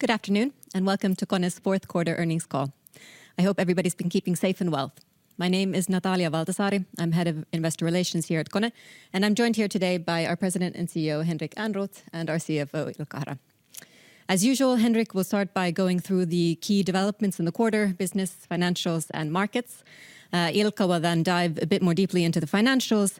Good afternoon, and welcome to KONE's fourth quarter earnings call. I hope everybody's been keeping safe and well. My name is Natalia Valtasaari. I'm head of investor relations here at KONE, and I'm joined here today by our president and CEO, Henrik Ehrnrooth, and our CFO, Ilkka Hara. As usual, Henrik will start by going through the key developments in the quarter, business, financials, and markets. Ilkka will then dive a bit more deeply into the financials,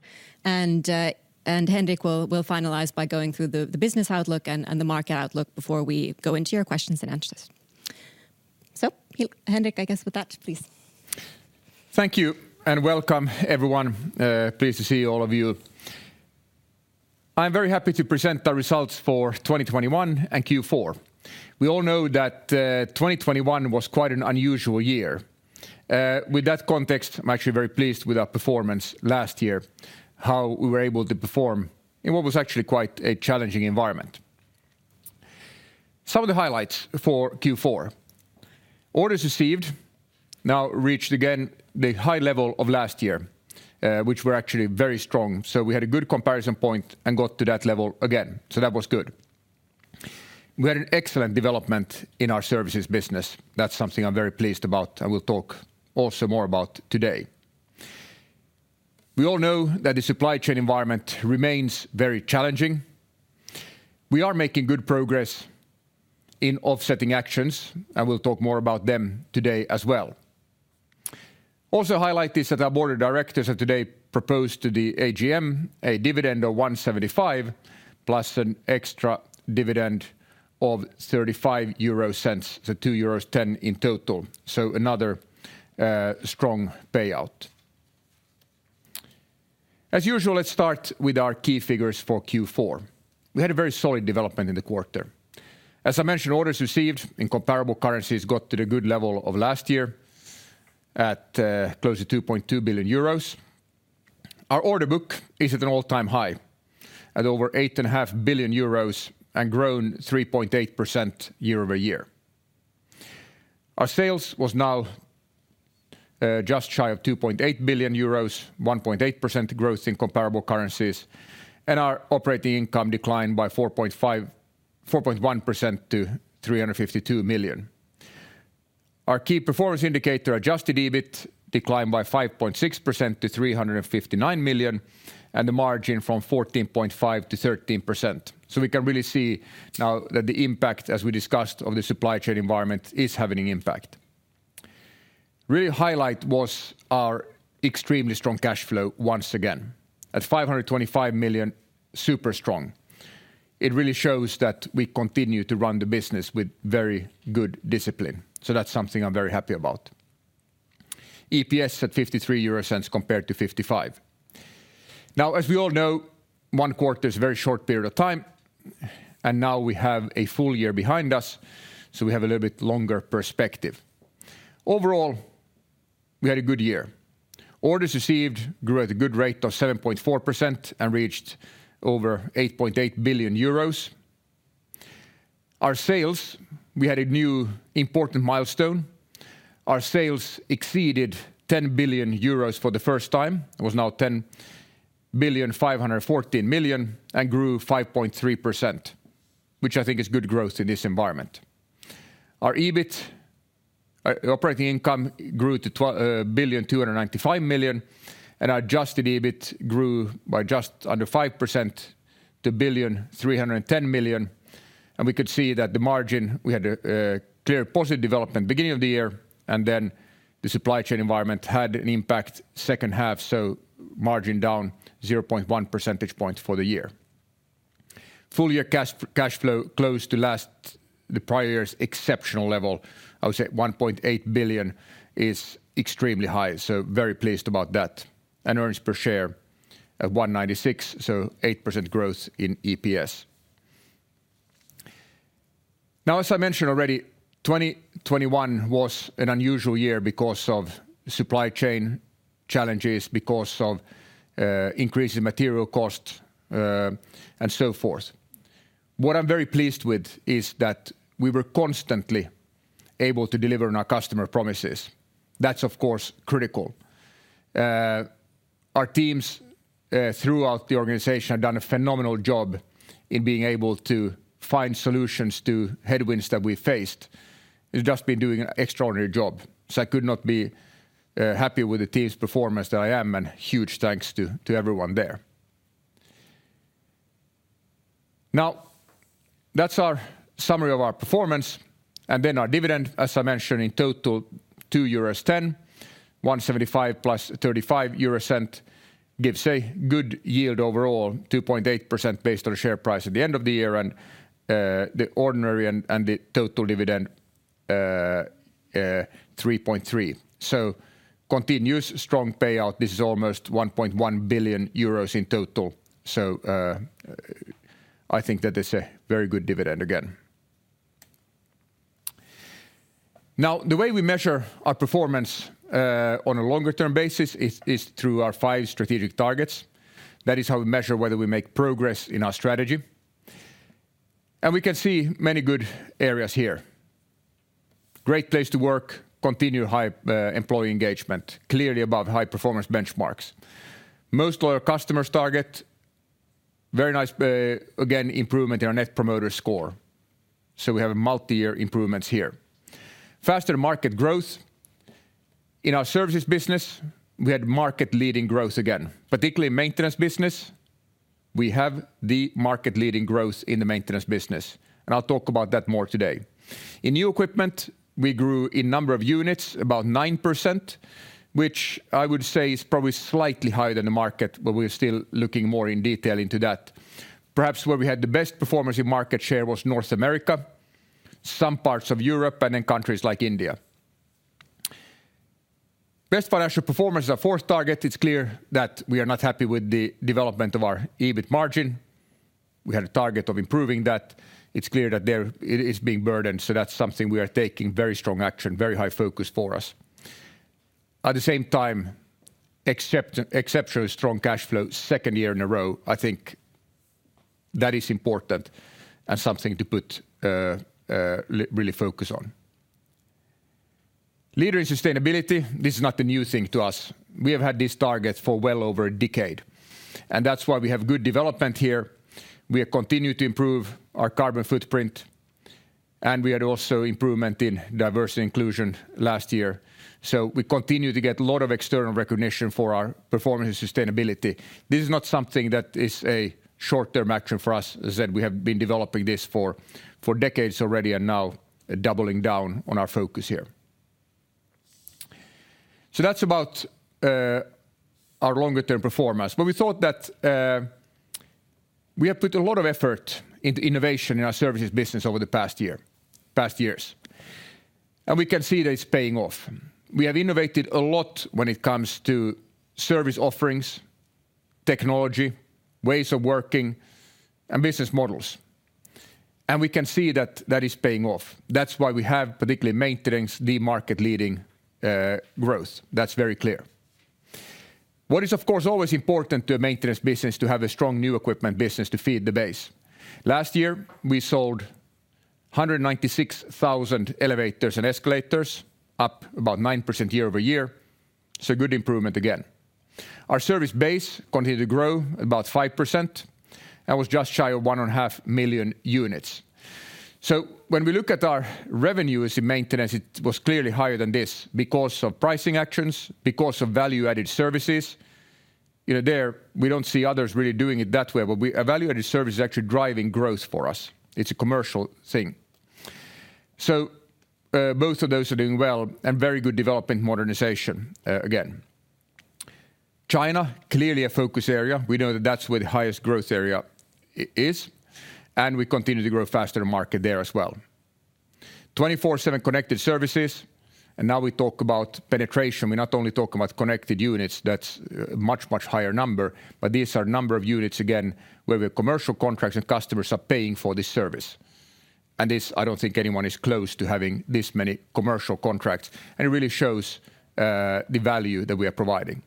and Henrik will finalize by going through the business outlook and the market outlook before we go into your questions and answers. Henrik, I guess with that, please. Thank you, and welcome, everyone. Pleased to see all of you. I'm very happy to present the results for 2021 and Q4. We all know that, 2021 was quite an unusual year. With that context, I'm actually very pleased with our performance last year, how we were able to perform in what was actually quite a challenging environment. Some of the highlights for Q4. Orders received now reached again the high level of last year, which were actually very strong, so we had a good comparison point and got to that level again. That was good. We had an excellent development in our services business. That's something I'm very pleased about. I will talk also more about today. We all know that the supply chain environment remains very challenging. We are making good progress in offsetting actions, and we'll talk more about them today as well. Another highlight is that our board of directors have today proposed to the AGM a dividend of 1.75 plus an extra dividend of 0.35, so 2.10 euros in total, so another strong payout. As usual, let's start with our key figures for Q4. We had a very solid development in the quarter. As I mentioned, orders received in comparable currencies got to the good level of last year at close to 2.2 billion euros. Our order book is at an all-time high at over 8.5 billion euros and grown 3.8% year-over-year. Our sales was now just shy of 2.8 billion euros, 1.8% growth in comparable currencies, and our operating income declined by 4.1% to 352 million. Our key performance indicator, adjusted EBIT, declined by 5.6% to 359 million, and the margin from 14.5%-13%. We can really see now that the impact, as we discussed, of the supply chain environment is having an impact. Really highlight was our extremely strong cash flow once again. At 525 million, super strong. It really shows that we continue to run the business with very good discipline. That's something I'm very happy about. EPS at 0.53 compared to 0.55. Now, as we all know, one quarter is a very short period of time, and now we have a full year behind us, so we have a little bit longer perspective. Overall, we had a good year. Orders received grew at a good rate of 7.4% and reached over 8.8 billion euros. Our sales, we had a new important milestone. Our sales exceeded 10 billion euros for the first time. It was now 10.514 billion and grew 5.3%, which I think is good growth in this environment. Our EBIT operating income grew to 1.295 billion, and our adjusted EBIT grew by just under 5% to 1.310 billion, and we could see that the margin we had a clear positive development beginning of the year, and then the supply chain environment had an impact second half, so margin down 0.1 percentage points for the year. Full-year cash flow close to the prior year's exceptional level. I would say 1.8 billion is extremely high, so very pleased about that. Earnings per share at 1.96, so 8% growth in EPS. Now, as I mentioned already, 2021 was an unusual year because of supply chain challenges, because of increase in material costs, and so forth. What I'm very pleased with is that we were constantly able to deliver on our customer promises. That's, of course, critical. Our teams throughout the organization have done a phenomenal job in being able to find solutions to headwinds that we faced. They've just been doing an extraordinary job, so I could not be happier with the team's performance than I am, and huge thanks to everyone there. Now, that's our summary of our performance, and then our dividend, as I mentioned, in total, 2.10 euros, 1.75 plus 0.35 gives a good yield overall, 2.8% based on share price at the end of the year, and the ordinary and the total dividend 3.3%. Continuous strong payout. This is almost 1.1 billion euros in total, so I think that is a very good dividend again. Now, the way we measure our performance on a longer-term basis is through our five strategic targets. That is how we measure whether we make progress in our strategy. We can see many good areas here. Great place to work, continued high employee engagement, clearly above high performance benchmarks. Most loyal customers target. Very nice again improvement in our net promoter score. We have multi-year improvements here. Faster market growth. In our services business, we had market-leading growth again, particularly maintenance business. We have the market-leading growth in the maintenance business, and I'll talk about that more today. In new equipment, we grew in number of units about 9%, which I would say is probably slightly higher than the market, but we're still looking more in detail into that. Perhaps where we had the best performance in market share was North America, some parts of Europe, and in countries like India. Best financial performance, our fourth target, it's clear that we are not happy with the development of our EBIT margin. We had a target of improving that. It's clear that there it's being burdened, so that's something we are taking very strong action, very high focus for us. At the same time, exceptional strong cash flow second year in a row. I think that is important and something to put really focus on. Leader in sustainability. This is not a new thing to us. We have had this target for well over a decade, and that's why we have good development here. We have continued to improve our carbon footprint, and we had also improvement in diversity inclusion last year. We continue to get a lot of external recognition for our performance and sustainability. This is not something that is a short-term action for us. As I said, we have been developing this for decades already and now doubling down on our focus here. That's about our longer term performance. We thought that we have put a lot of effort into innovation in our services business over the past year, past years, and we can see that it's paying off. We have innovated a lot when it comes to service offerings, technology, ways of working, and business models, and we can see that that is paying off. That's why we have particularly maintenance, the market-leading growth. That's very clear. What is, of course, always important to a maintenance business to have a strong new equipment business to feed the base. Last year, we sold 196,000 elevators and escalators, up about 9% year-over-year, so good improvement again. Our service base continued to grow about 5% and was just shy of 1.5 million units. When we look at our revenue as in maintenance, it was clearly higher than this because of pricing actions, because of value-added services. You know, there we don't see others really doing it that way, but a value-added service is actually driving growth for us. It's a commercial thing. Both of those are doing well and very good development in modernization again. China, clearly a focus area. We know that that's where the highest growth area is, and we continue to grow faster than market there as well. 24/7 connected services, and now we talk about penetration. We're not only talking about connected units. That's a much, much higher number. But these are number of units, again, where we have commercial contracts and customers are paying for this service. This, I don't think anyone is close to having this many commercial contracts, and it really shows the value that we are providing.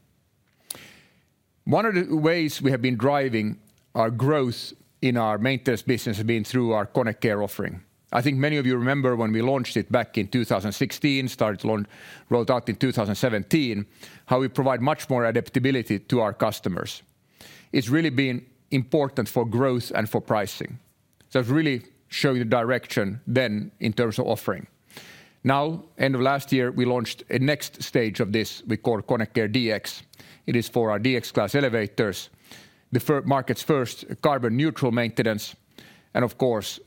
One of the ways we have been driving our growth in our maintenance business has been through our KONE Care offering. I think many of you remember when we launched it back in 2016, started to unroll it out in 2017, how we provide much more adaptability to our customers. It's really been important for growth and for pricing. It really show you direction then in terms of offering. Now, end of last year, we launched a next stage of this we call KONE Care DX. It is for our KONE DX Class elevators, the market's first carbon-neutral maintenance and of course,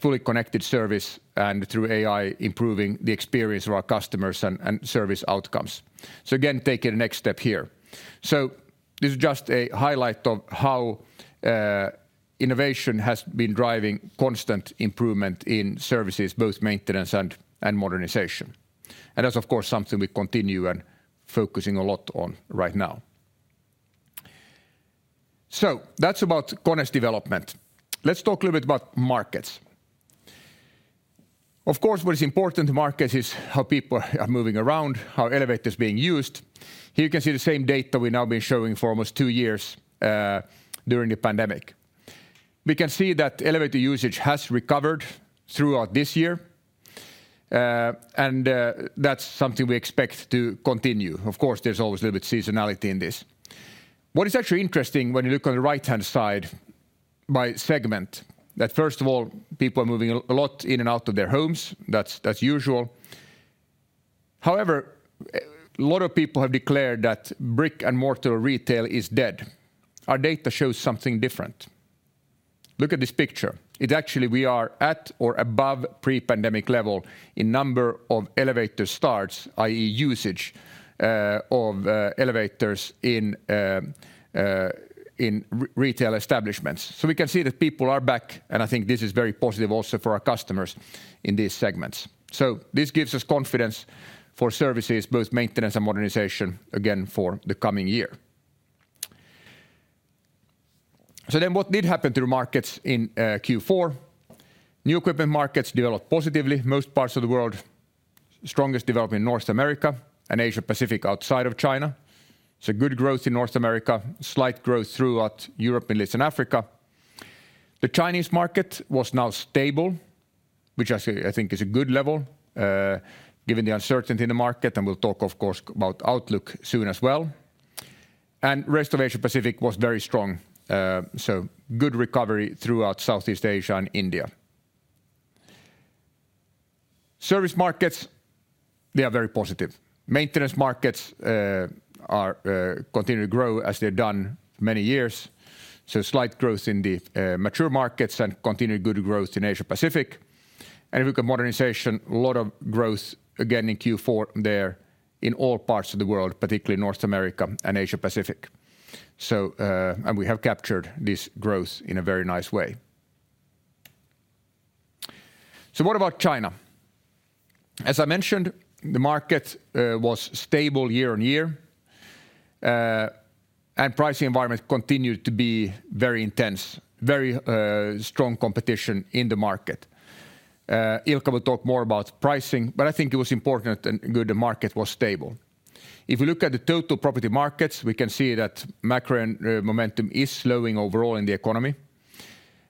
fully connected service and through AI improving the experience of our customers and service outcomes. Again, taking the next step here. This is just a highlight of how innovation has been driving constant improvement in services, both maintenance and modernization. That's of course something we continue and focusing a lot on right now. That's about KONE's development. Let's talk a little bit about markets. Of course, what is important to markets is how people are moving around, how elevator is being used. Here you can see the same data we've now been showing for almost two years during the pandemic. We can see that elevator usage has recovered throughout this year and that's something we expect to continue. Of course, there's always a little bit of seasonality in this. What is actually interesting when you look on the right-hand side by segment, that first of all, people are moving a lot in and out of their homes. That's usual. However, a lot of people have declared that brick-and-mortar retail is dead. Our data shows something different. Look at this picture. Actually we are at or above pre-pandemic level in number of elevator starts, i.e. usage, of elevators in retail establishments. We can see that people are back, and I think this is very positive also for our customers in these segments. This gives us confidence for services, both maintenance and modernization, again, for the coming year. What did happen to the markets in Q4? New equipment markets developed positively. Most parts of the world, strongest development North America and Asia-Pacific outside of China. Good growth in North America, slight growth throughout Europe, Middle East, and Africa. The Chinese market was now stable, which I see, I think, is a good level, given the uncertainty in the market, and we'll talk of course about outlook soon as well. Rest of Asia Pacific was very strong. Good recovery throughout Southeast Asia and India. Service markets, they are very positive. Maintenance markets continue to grow as they've done many years. Slight growth in the mature markets and continued good growth in Asia Pacific. If we look at modernization, a lot of growth again in Q4 there in all parts of the world, particularly North America and Asia Pacific. We have captured this growth in a very nice way. What about China? As I mentioned, the market was stable year-on-year, and pricing environment continued to be very intense, very strong competition in the market. Ilkka will talk more about pricing, but I think it was important and good the market was stable. If we look at the total property markets, we can see that macro and momentum is slowing overall in the economy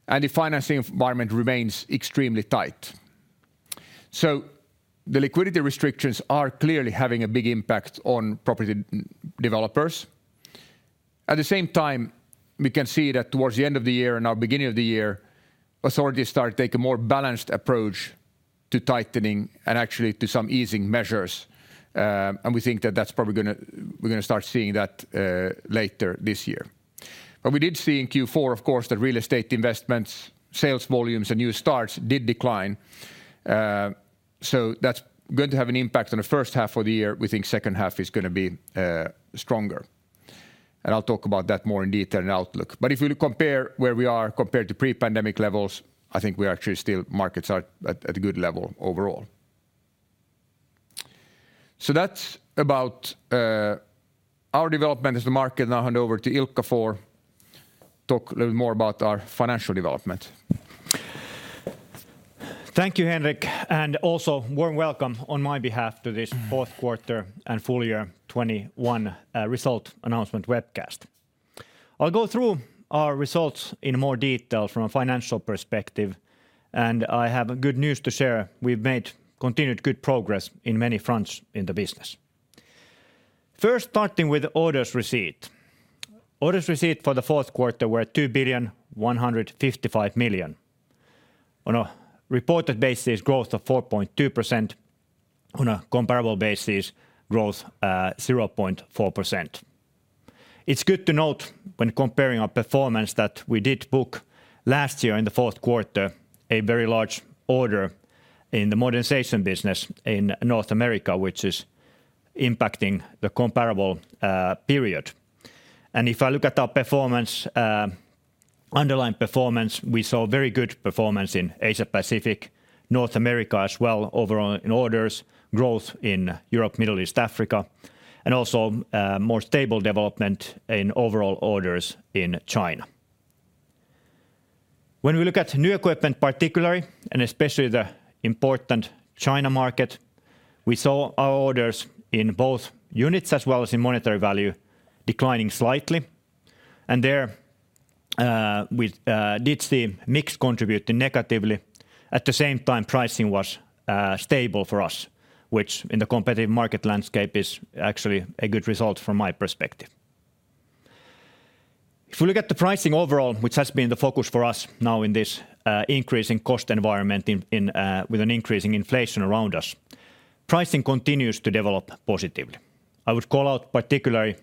and the financing environment remains extremely tight. The liquidity restrictions are clearly having a big impact on property developers. At the same time, we can see that towards the end of the year and now beginning of the year, authorities start to take a more balanced approach to tightening and actually do some easing measures, and we think we're gonna start seeing that later this year. We did see in Q4, of course, that real estate investments, sales volumes and new starts did decline. So that's going to have an impact on the first half of the year. We think second half is gonna be stronger. I'll talk about that more in detail in outlook. If you compare where we are compared to pre-pandemic levels, I think we are actually still markets are at a good level overall. That's about our development as the market. Now I hand over to Ilkka to talk a little more about our financial development. Thank you, Henrik, and also warm welcome on my behalf to this fourth quarter and full year 2021 result announcement webcast. I'll go through our results in more detail from a financial perspective, and I have good news to share. We've made continued good progress in many fronts in the business. First, starting with orders received. Orders received for the fourth quarter were 2.155 billion. On a reported basis, growth of 4.2%. On a comparable basis, growth 0.4%. It's good to note when comparing our performance that we did book last year in the fourth quarter a very large order in the modernization business in North America, which is impacting the comparable period. If I look at our performance, underlying performance, we saw very good performance in Asia Pacific, North America as well overall in orders, growth in Europe, Middle East, Africa, and also more stable development in overall orders in China. When we look at new equipment particularly, and especially the important China market, we saw our orders in both units as well as in monetary value declining slightly. There, we did see mix contribute negatively. At the same time, pricing was stable for us, which in the competitive market landscape is actually a good result from my perspective. If we look at the pricing overall, which has been the focus for us now in this increasing cost environment with an increasing inflation around us, pricing continues to develop positively. I would call out particularly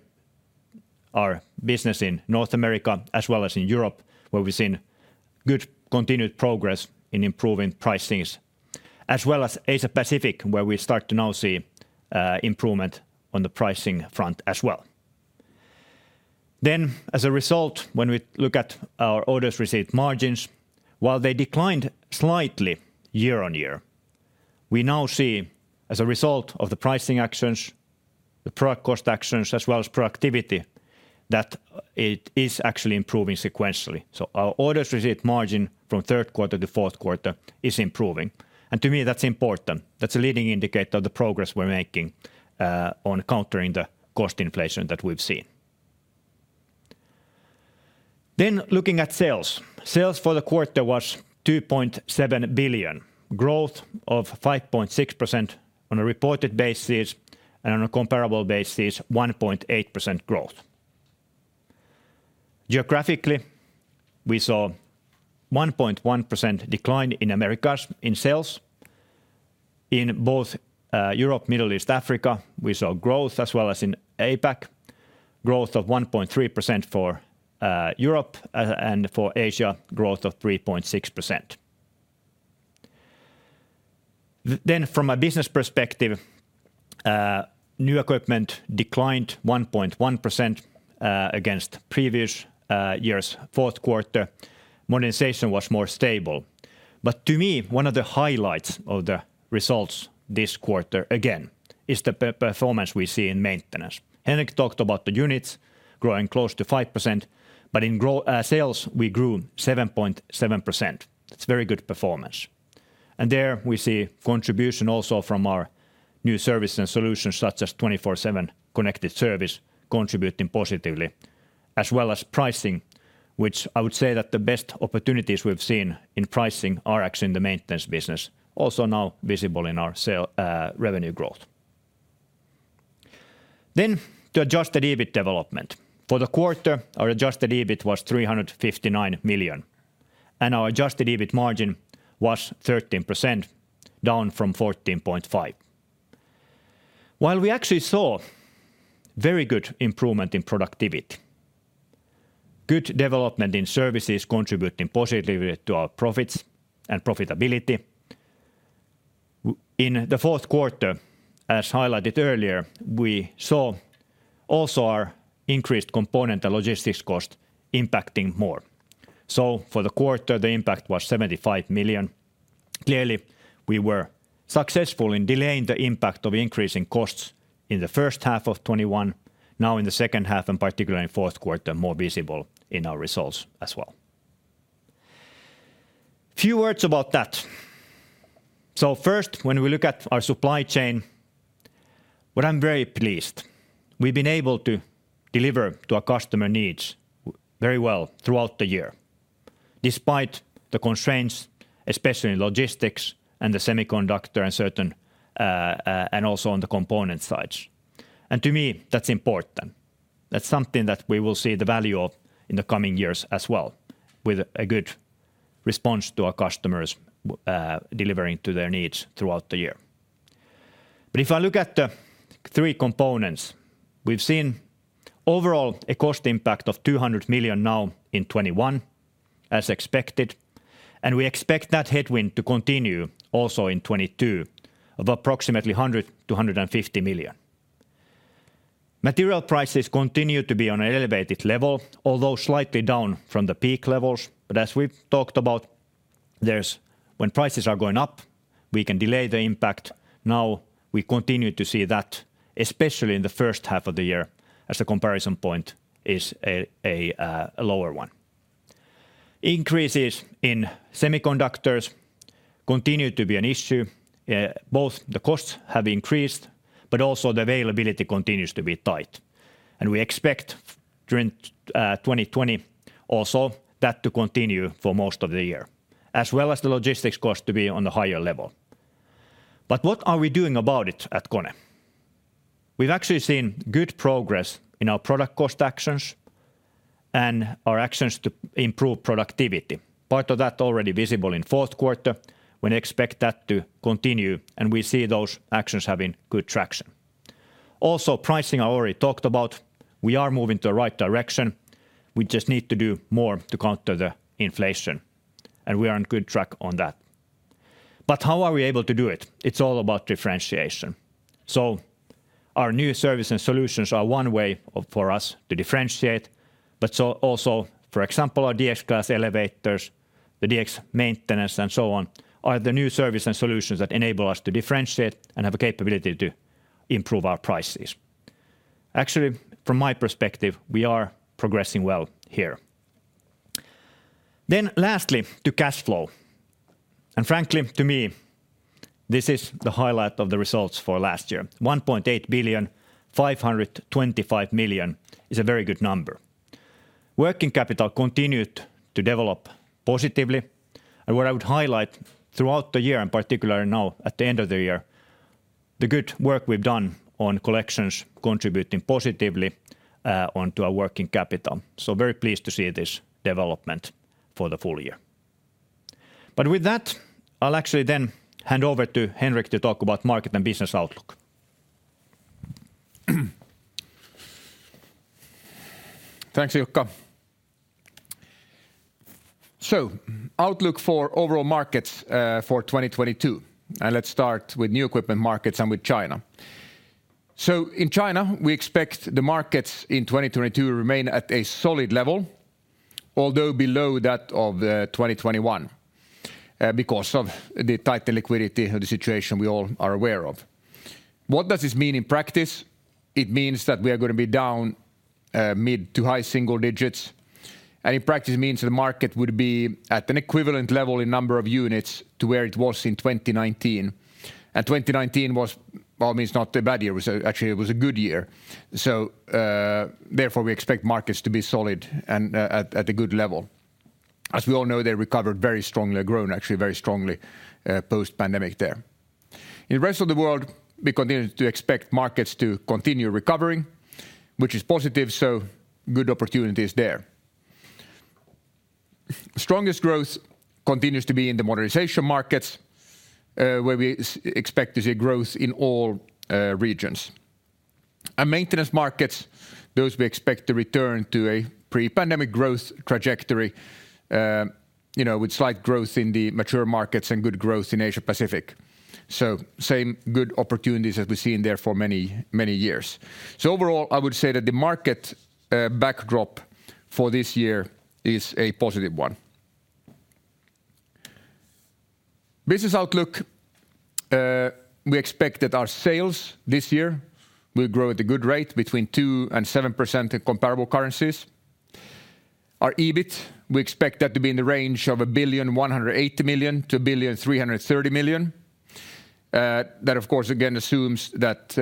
our business in North America as well as in Europe, where we've seen good continued progress in improving pricings, as well as Asia Pacific, where we start to now see improvement on the pricing front as well. As a result, when we look at our orders received margins, while they declined slightly year-on-year, we now see, as a result of the pricing actions, the product cost actions, as well as productivity, that it is actually improving sequentially. Our orders received margin from third quarter to fourth quarter is improving. To me, that's important. That's a leading indicator of the progress we're making on countering the cost inflation that we've seen. Looking at sales. Sales for the quarter was 2.7 billion. Growth of 5.6% on a reported basis, and on a comparable basis, 1.8% growth. Geographically, we saw 1.1% decline in Americas in sales. In both Europe, Middle East, Africa, we saw growth as well as in APAC. Growth of 1.3% for Europe and for Asia, growth of 3.6%. From a business perspective, New Equipment declined 1.1% against previous year's fourth quarter. Modernization was more stable. To me, one of the highlights of the results this quarter, again, is the performance we see in Maintenance. Henrik talked about the units growing close to 5%, but in sales, we grew 7.7%. That's very good performance. There we see contribution also from our new service and solutions such as 24/7 Connected Services contributing positively, as well as pricing, which I would say that the best opportunities we've seen in pricing are actually in the maintenance business, also now visible in our sales revenue growth. The adjusted EBIT development. For the quarter, our adjusted EBIT was 359 million, and our adjusted EBIT margin was 13%, down from 14.5%. While we actually saw very good improvement in productivity, good development in services contributing positively to our profits and profitability, in the fourth quarter, as highlighted earlier, we saw also our increased component and logistics costs impacting more. For the quarter, the impact was 75 million. Clearly, we were successful in delaying the impact of increasing costs in the first half of 2021. Now in the second half and particularly in fourth quarter, more visible in our results as well. Few words about that. First, when we look at our supply chain, but I'm very pleased we've been able to deliver to our customer needs very well throughout the year, despite the constraints, especially in logistics and the semiconductor and certain and also on the component sides. To me, that's important. That's something that we will see the value of in the coming years as well, with a good response to our customers, delivering to their needs throughout the year. If I look at the three components, we've seen overall a cost impact of 200 million now in 2021, as expected, and we expect that headwind to continue also in 2022 of approximately 100 million-150 million. Material prices continue to be on an elevated level, although slightly down from the peak levels. As we've talked about, when prices are going up, we can delay the impact. Now we continue to see that, especially in the first half of the year, as the comparison point is a lower one. Increases in semiconductors continue to be an issue. Both the costs have increased, but also the availability continues to be tight. We expect during 2020 also that to continue for most of the year, as well as the logistics cost to be on a higher level. What are we doing about it at KONE? We've actually seen good progress in our product cost actions and our actions to improve productivity, part of that already visible in fourth quarter. We expect that to continue, and we see those actions having good traction. Also, pricing I already talked about. We are moving to the right direction. We just need to do more to counter the inflation, and we are on good track on that. How are we able to do it? It's all about differentiation. Our new service and solutions are one way for us to differentiate, but so also, for example, our DX Class elevators, the DX maintenance and so on, are the new service and solutions that enable us to differentiate and have a capability to improve our prices. Actually, from my perspective, we are progressing well here. Lastly, to cash flow. Frankly, to me, this is the highlight of the results for last year. 1.8 billion, 525 million is a very good number. Working capital continued to develop positively. What I would highlight throughout the year, and particularly now at the end of the year, the good work we've done on collections contributing positively onto our working capital. Very pleased to see this development for the full year. With that, I'll actually then hand over to Henrik to talk about market and business outlook. Thanks, Ilkka. Outlook for overall markets for 2022. Let's start with new equipment markets and with China. In China, we expect the markets in 2022 to remain at a solid level, although below that of 2021, because of the tighter liquidity of the situation we all are aware of. What does this mean in practice? It means that we are gonna be down mid- to high-single digits%. In practice it means that the market would be at an equivalent level in number of units to where it was in 2019. 2019 was by all means not a bad year. Actually it was a good year. Therefore, we expect markets to be solid and at a good level. As we all know, they recovered very strongly or grown actually very strongly post-pandemic there. In the rest of the world, we continue to expect markets to continue recovering, which is positive, so good opportunities there. Strongest growth continues to be in the modernization markets, where we expect to see growth in all regions. Maintenance markets, those we expect to return to a pre-pandemic growth trajectory, you know, with slight growth in the mature markets and good growth in Asia-Pacific. Same good opportunities as we've seen there for many, many years. Overall, I would say that the market backdrop for this year is a positive one. Business outlook, we expect that our sales this year will grow at a good rate between 2% and 7% in comparable currencies. Our EBIT, we expect that to be in the range of 1.18 billion-1.33 billion. That of course, again assumes that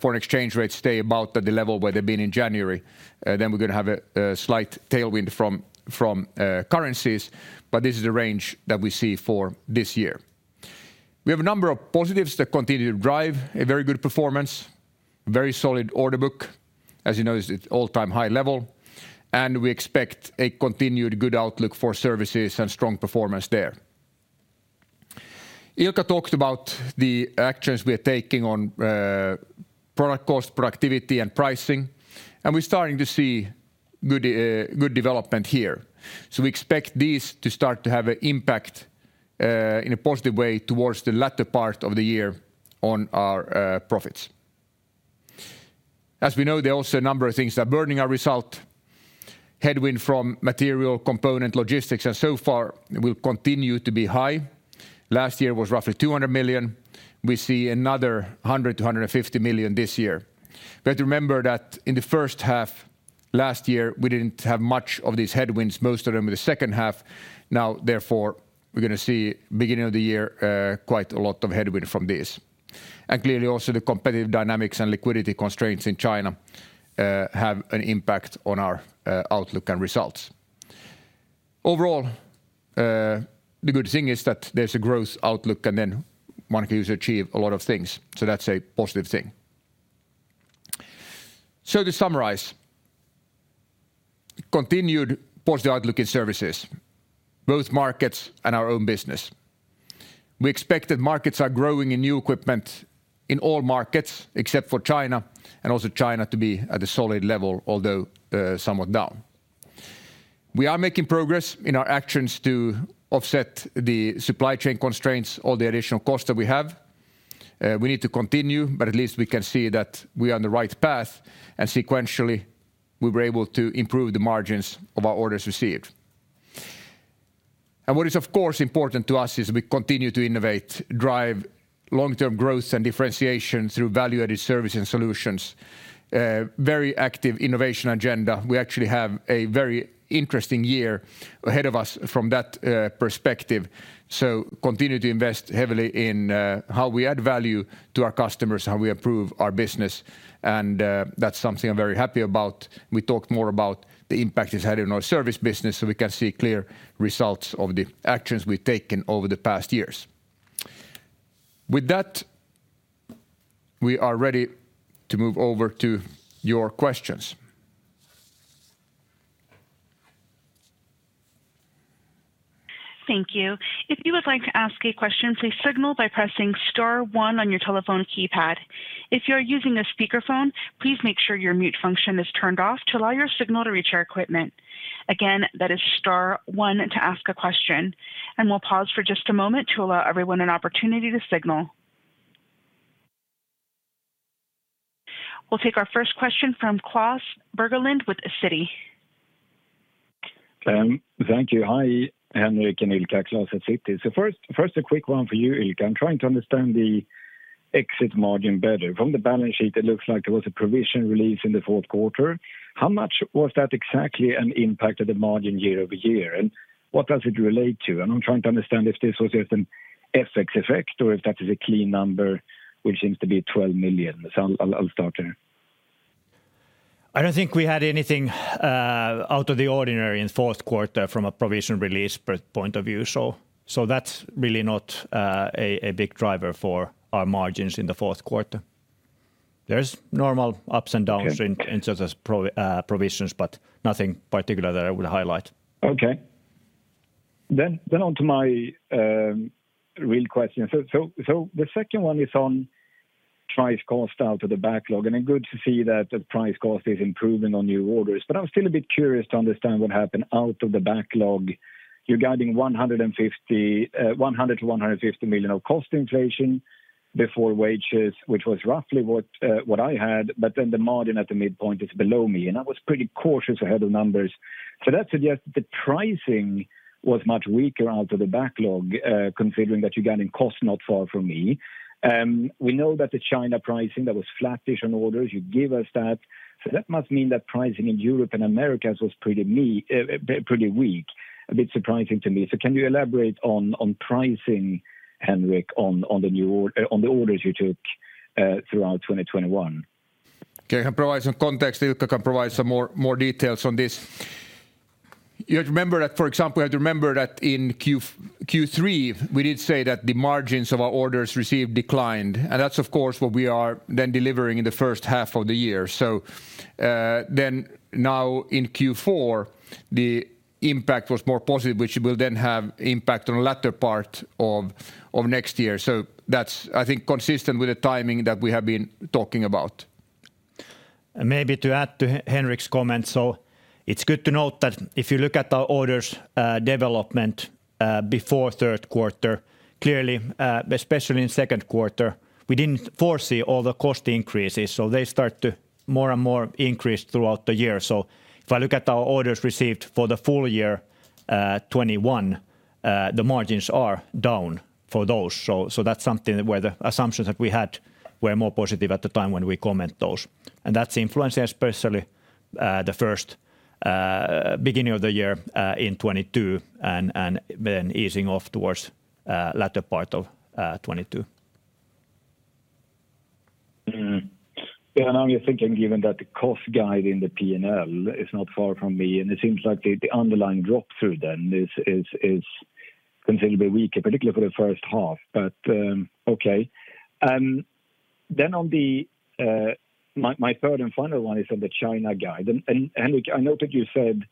foreign exchange rates stay about at the level where they've been in January. Then we're gonna have a slight tailwind from currencies, but this is the range that we see for this year. We have a number of positives that continue to drive a very good performance, very solid order book. As you know, it's at all-time high level, and we expect a continued good outlook for services and strong performance there. Ilkka talked about the actions we are taking on, product cost, productivity, and pricing, and we're starting to see good development here. We expect this to start to have an impact, in a positive way towards the latter part of the year on our profits. As we know, there are also a number of things that are burdening our result. Headwind from material component logistics, and so far will continue to be high. Last year was roughly 200 million. We see another 100 million-150 million this year. Remember that in the first half last year, we didn't have much of these headwinds, most of them in the second half. Now, therefore, we're gonna see beginning of the year, quite a lot of headwind from this. Clearly also, the competitive dynamics and liquidity constraints in China have an impact on our outlook and results. Overall, the good thing is that there's a growth outlook and then one can just achieve a lot of things. That's a positive thing. To summarize. Continued positive outlook in services, both markets and our own business. We expect that markets are growing in new equipment in all markets except for China, and also China to be at a solid level, although somewhat down. We are making progress in our actions to offset the supply chain constraints or the additional cost that we have. We need to continue, but at least we can see that we are on the right path, and sequentially, we were able to improve the margins of our orders received. What is, of course, important to us is we continue to innovate, drive long-term growth and differentiation through value-added service and solutions. Very active innovation agenda. We actually have a very interesting year ahead of us from that perspective. Continue to invest heavily in how we add value to our customers, how we improve our business, and that's something I'm very happy about. We talked more about the impact it's had in our service business, so we can see clear results of the actions we've taken over the past years. With that, we are ready to move over to your questions. Thank you. If you would like to ask a question, please signal by pressing star one on your telephone keypad. If you're using a speakerphone, please make sure your mute function is turned off to allow your signal to reach our equipment. Again, that is star one to ask a question, and we'll pause for just a moment to allow everyone an opportunity to signal. We'll take our first question from Klas Bergelind with Citi. Thank you. Hi, Henrik and Ilkka. Klas at Citi. First, a quick one for you, Ilkka. I'm trying to understand the exit margin better. From the balance sheet, it looks like there was a provision release in the fourth quarter. How much was that exactly an impact on the margin year-over-year, and what does it relate to? I'm trying to understand if this was just an FX effect or if that is a clean number, which seems to be 12 million. I'll start there. I don't think we had anything out of the ordinary in fourth quarter from a provision release per point of view. That's really not a big driver for our margins in the fourth quarter. There's normal ups and downs. Okay. In terms of provisions, but nothing particular that I would highlight. Okay. On to my real question. The second one is on price cost out of the backlog, and good to see that the price cost is improving on new orders. I'm still a bit curious to understand what happened out of the backlog. You're guiding 100 million-150 million of cost inflation before wages, which was roughly what I had, but then the margin at the midpoint is below me, and I was pretty cautious ahead of numbers. That suggests the pricing was much weaker out of the backlog, considering that you're guiding cost not far from me. We know that the China pricing that was flat-ish on orders. You gave us that. That must mean that pricing in Europe and Americas was pretty weak. A bit surprising to me. Can you elaborate on pricing, Henrik, on the orders you took throughout 2021? Okay. I can provide some context. Ilkka can provide some more details on this. You have to remember that, for example, you have to remember that in Q3, we did say that the margins of our orders received declined, and that's of course what we are then delivering in the first half of the year. So, then now in Q4, the impact was more positive, which will then have impact on the latter part of next year. That's, I think, consistent with the timing that we have been talking about. Maybe to add to Henrik's comment. It's good to note that if you look at our orders development before third quarter, clearly, especially in second quarter, we didn't foresee all the cost increases. They start to more and more increase throughout the year. If I look at our orders received for the full year 2021, the margins are down for those. That's something where the assumptions that we had were more positive at the time when we comment those. That's influencing especially the first beginning of the year in 2022 and then easing off towards latter part of 2022. Yeah, I'm just thinking, given that the cost guide in the P&L is not far from me, and it seems like the underlying drop-through then is considerably weaker, particularly for the first half. Okay. On my third and final one is on the China guide. Henrik, I noted you said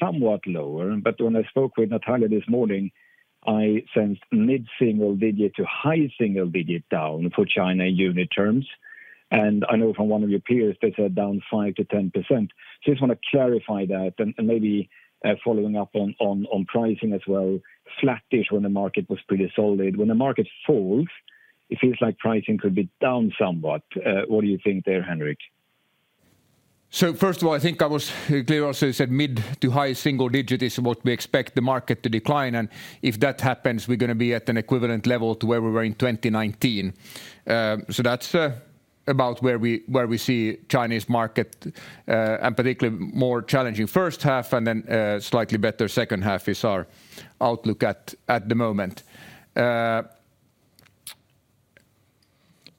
somewhat lower, but when I spoke with Natalia this morning, I sensed mid-single digit to high single digit down for China unit terms. I know from one of your peers, they said down 5%-10%. Just wanna clarify that and maybe following up on pricing as well. Flat-ish when the market was pretty solid. When the market falls, it feels like pricing could be down somewhat. What do you think there, Henrik? First of all, I think I was clear also. I said mid- to high-single-digit is what we expect the market to decline. If that happens, we're gonna be at an equivalent level to where we were in 2019. That's about where we see Chinese market, and particularly more challenging first half and then slightly better second half is our outlook at the moment.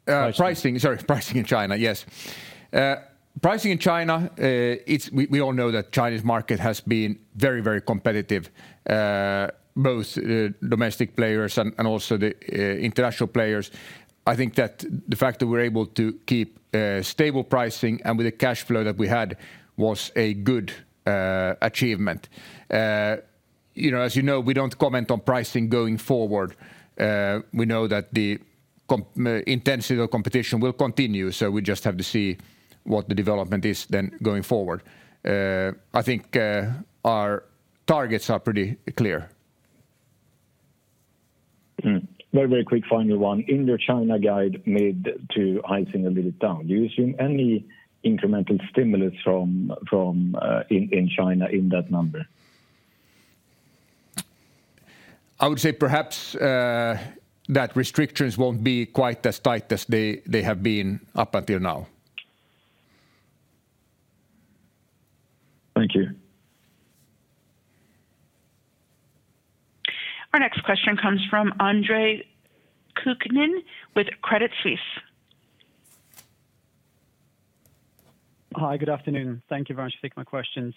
Pricing. Pricing, sorry. Pricing in China, yes. Pricing in China, we all know that the Chinese market has been very, very competitive, both domestic players and also the international players. I think that the fact that we're able to keep stable pricing and with the cash flow that we had was a good achievement. You know, as you know, we don't comment on pricing going forward. We know that the intensity of competition will continue, so we just have to see what the development is then going forward. I think our targets are pretty clear. Very quick final one. In your China guide mid- to high-single-digit down, do you assume any incremental stimulus from in China in that number? I would say perhaps that restrictions won't be quite as tight as they have been up until now. Thank you. Our next question comes from Andre Kukhnin with Credit Suisse. Hi. Good afternoon. Thank you very much for taking my questions.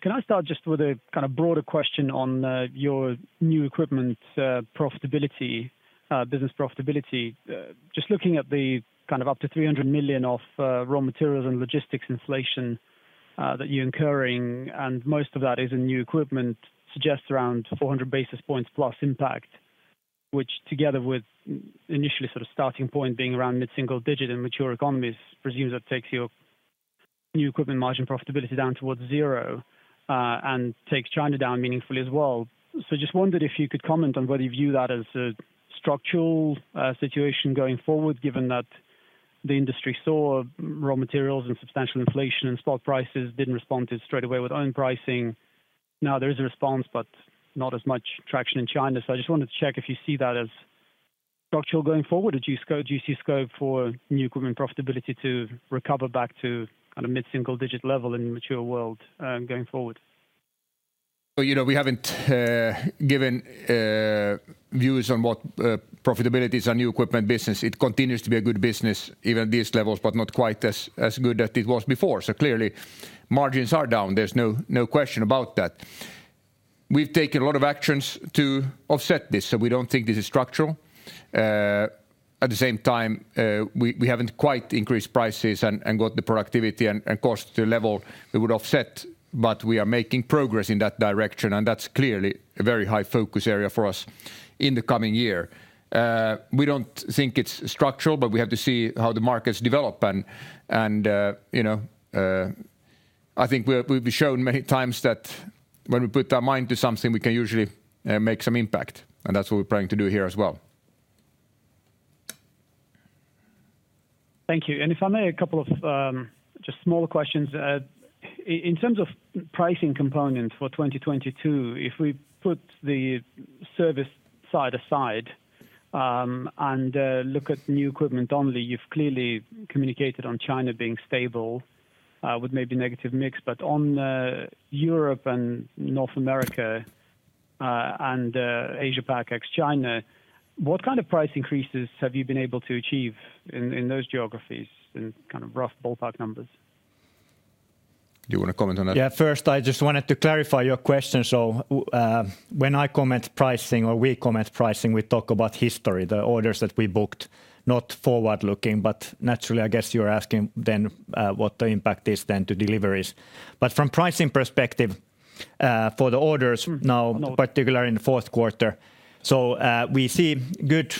Can I start just with a kinda broader question on your new equipment profitability business profitability? Just looking at the kind of up to 300 million of raw materials and logistics inflation that you're incurring, and most of that is in new equipment, suggests around 400 basis points plus impact, which together with initially sort of starting point being around mid-single-digit in mature economies presumes that takes your new equipment margin profitability down towards 0%, and takes China down meaningfully as well. Just wondered if you could comment on whether you view that as a structural situation going forward, given that the industry saw raw materials and substantial inflation and spot prices didn't respond to it straight away with own pricing. Now there is a response, but not as much traction in China. I just wanted to check if you see that as structural going forward. Do you see scope for new equipment profitability to recover back to at a mid-single digit level in the mature world, going forward? You know, we haven't given views on what profitability is our new equipment business. It continues to be a good business even at these levels, but not quite as good as it was before. Clearly margins are down. There's no question about that. We've taken a lot of actions to offset this, so we don't think this is structural. At the same time, we haven't quite increased prices and got the productivity and cost to a level that would offset, but we are making progress in that direction, and that's clearly a very high focus area for us in the coming year. We don't think it's structural, but we have to see how the markets develop. You know, I think we've shown many times that when we put our mind to something, we can usually make some impact, and that's what we're planning to do here as well. Thank you. If I may, a couple of just smaller questions. In terms of pricing components for 2022, if we put the service side aside, and look at new equipment only, you've clearly communicated on China being stable, with maybe negative mix. On Europe and North America, and Asia Pac ex China, what kind of price increases have you been able to achieve in those geographies in kind of rough ballpark numbers? Do you wanna comment on that? Yeah. First, I just wanted to clarify your question. When I comment on pricing or we comment on pricing, we talk about history, the orders that we booked, not forward-looking. Naturally, I guess you're asking then, what the impact is then to deliveries. From pricing perspective, for the orders now- No. In particular in the fourth quarter. We see good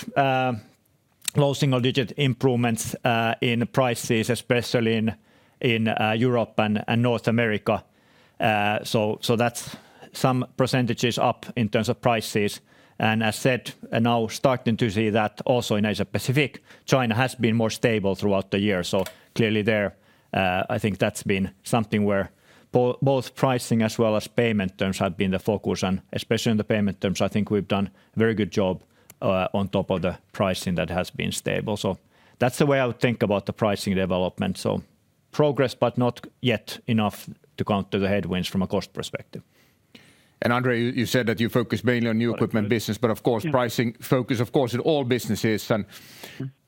low single-digit improvements in prices, especially in Europe and North America. That's some percentages up in terms of prices. As said, now we're starting to see that also in Asia-Pacific, China has been more stable throughout the year. Clearly there, I think that's been something where both pricing as well as payment terms have been the focus, and especially in the payment terms, I think we've done very good job on top of the pricing that has been stable. That's the way I would think about the pricing development. Progress, but not yet enough to counter the headwinds from a cost perspective. Andre, you said that you focus mainly on new equipment business. Yeah. But of course, pricing focus, of course, in all businesses.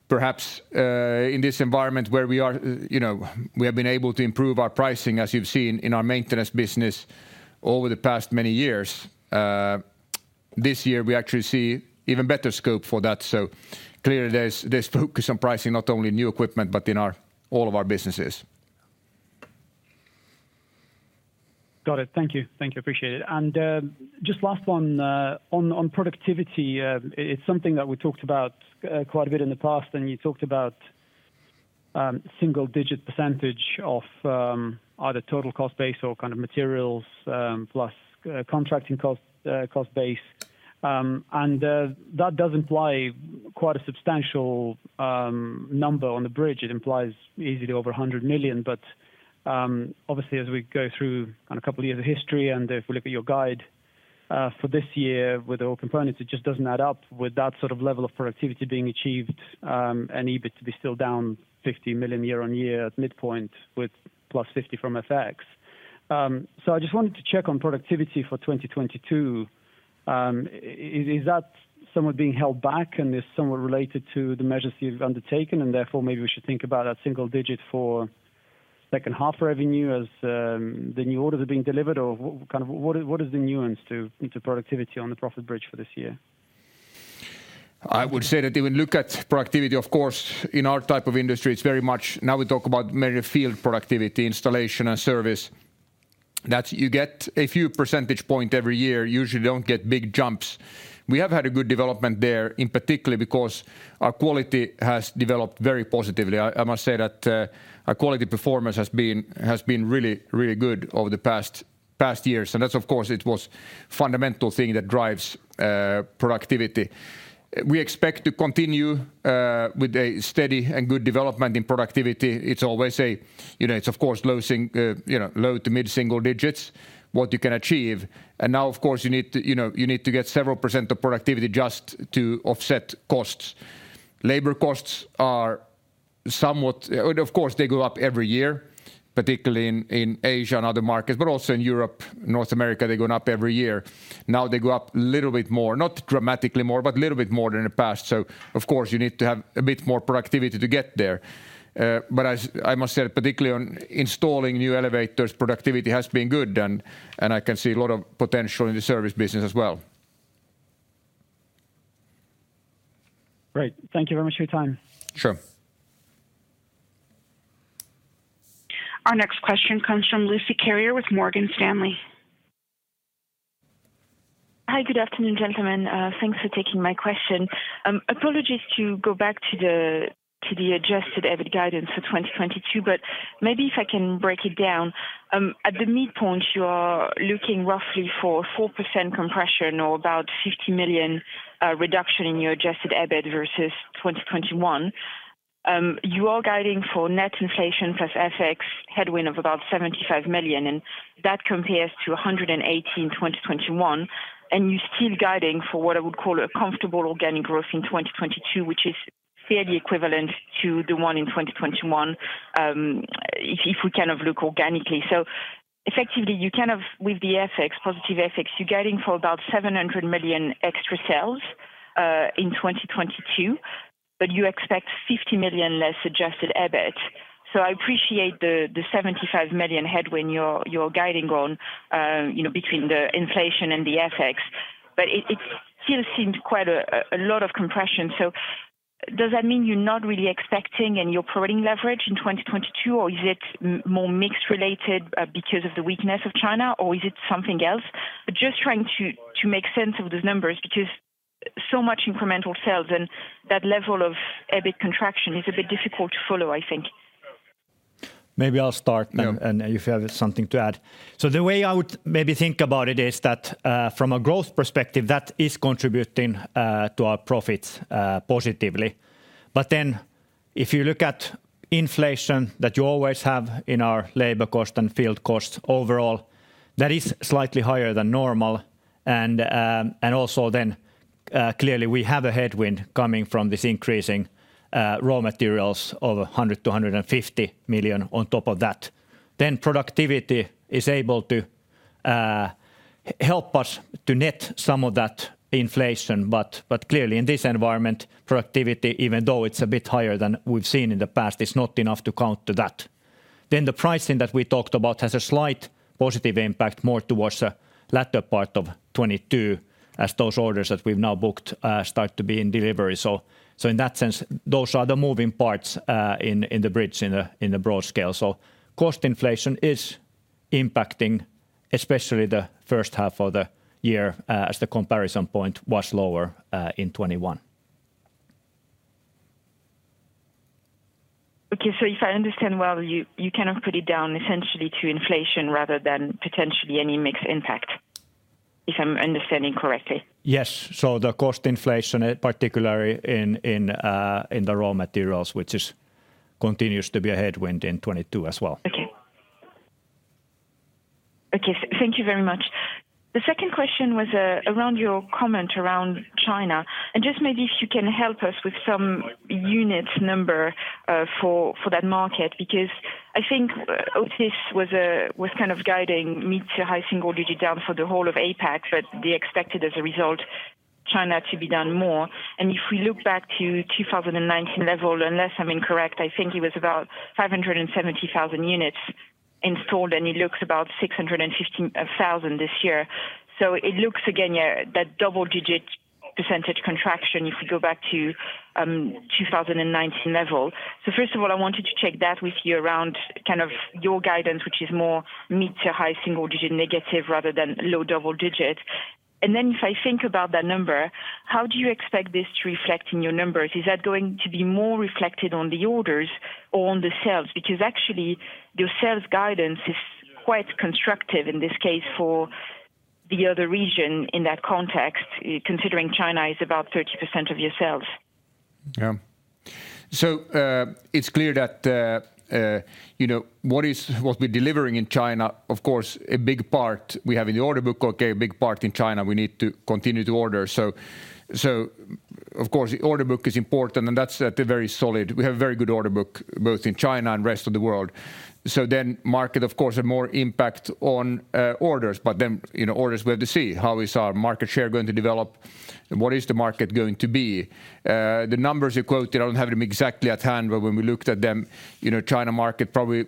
Perhaps, in this environment where we are, you know, we have been able to improve our pricing, as you've seen in our maintenance business over the past many years. This year we actually see even better scope for that. Clearly there's focus on pricing not only new equipment, but in all of our businesses. Got it. Thank you. Thank you. Appreciate it. Just last one, on productivity, it's something that we talked about quite a bit in the past, and you talked about single-digit percentage of either total cost base or kind of materials plus contracting cost cost base. That does imply quite a substantial number on the bridge. It implies easily over 100 million. Obviously as we go through a couple of years of history, and if we look at your guide for this year with all components, it just doesn't add up with that sort of level of productivity being achieved, and EBIT to be still down 50 million year-on-year at midpoint with +50 million from FX. I just wanted to check on productivity for 2022. Is that somewhat being held back and is somewhat related to the measures you've undertaken, and therefore, maybe we should think about that single digit for second half revenue as the new orders are being delivered? Or kind of what is the nuance to productivity on the profit bridge for this year? I would say that if you look at productivity, of course, in our type of industry, it's very much now we talk about mainly field productivity, installation and service. That you get a few percentage point every year. Usually you don't get big jumps. We have had a good development there in particular because our quality has developed very positively. I must say that our quality performance has been really good over the past years. That's of course it's a fundamental thing that drives productivity. We expect to continue with a steady and good development in productivity. It's always, you know, it's of course low single, you know, low to mid-single digits what you can achieve. Now, of course, you need to, you know, you need to get several% of productivity just to offset costs. Labor costs are somewhat. Of course, they go up every year, particularly in Asia and other markets, but also in Europe, North America. They're going up every year. Now they go up a little bit more, not dramatically more, but a little bit more than in the past. Of course, you need to have a bit more productivity to get there. As I must say, particularly on installing new elevators, productivity has been good and I can see a lot of potential in the service business as well. Great. Thank you very much for your time. Sure. Our next question comes from Lucie Carrier with Morgan Stanley. Hi. Good afternoon, gentlemen. Thanks for taking my question. Apologies to go back to the adjusted EBIT guidance for 2022, but maybe if I can break it down. At the midpoint, you are looking roughly for 4% compression or about 50 million reduction in your adjusted EBIT versus 2021. You are guiding for net inflation plus FX headwind of about 75 million, and that compares to 118 million in 2021, and you're still guiding for what I would call a comfortable organic growth in 2022, which is fairly equivalent to the one in 2021, if we kind of look organically. Effectively, you kind of with the FX, positive FX, you're guiding for about 700 million extra sales in 2022, but you expect 50 million less adjusted EBIT. I appreciate the 75 million headwind you're guiding on between the inflation and the FX, but it still seems quite a lot of compression. Does that mean you're not really expecting any operating leverage in 2022, or is it more mix related because of the weakness of China, or is it something else? Just trying to make sense of these numbers because so much incremental sales and that level of EBIT contraction is a bit difficult to follow, I think. Maybe I'll start- Yeah. If you have something to add. The way I would maybe think about it is that from a growth perspective that is contributing to our profits positively. If you look at inflation that you always have in our labor cost and field cost overall that is slightly higher than normal. Also then clearly we have a headwind coming from this increasing raw materials of 100 million-150 million on top of that. Productivity is able to help us to net some of that inflation. Clearly in this environment productivity even though it's a bit higher than we've seen in the past it's not enough to counter that. The pricing that we talked about has a slight positive impact more towards the latter part of 2022 as those orders that we've now booked start to be in delivery. In that sense, those are the moving parts in the bridge in a broad scale. Cost inflation is impacting especially the first half of the year as the comparison point was lower in 2021. Okay, if I understand well, you cannot put it down essentially to inflation rather than potentially any mixed impact, if I'm understanding correctly? Yes. The cost inflation, particularly in the raw materials, which continues to be a headwind in 2022 as well. Okay. Thank you very much. The second question was around your comment around China, and just maybe if you can help us with some unit number for that market. Because I think Otis was kind of guiding mid- to high-single-digit down for the whole of APAC, but they expected as a result China to be down more. And if we look back to 2019 level, unless I'm incorrect, I think it was about 570,000 units installed, and it looks about 650,000 this year. It looks again, yeah, that double-digit percentage contraction if you go back to 2019 level. First of all, I wanted to check that with you around kind of your guidance, which is more mid- to high-single-digit negative rather than low-double-digit. Then if I think about that number, how do you expect this to reflect in your numbers? Is that going to be more reflected on the orders or on the sales? Because actually your sales guidance is quite constructive in this case for the other region in that context, considering China is about 30% of your sales. Yeah, it's clear that, you know, what we're delivering in China, of course, a big part we have in the order book. Okay, a big part in China we need to continue to order. Of course the order book is important, and that's at a very solid. We have a very good order book both in China and rest of the world. Market of course has more impact on orders. You know, orders we have to see how is our market share going to develop and what is the market going to be. The numbers you quoted, I don't have them exactly at hand, but when we looked at them, you know, China market probably,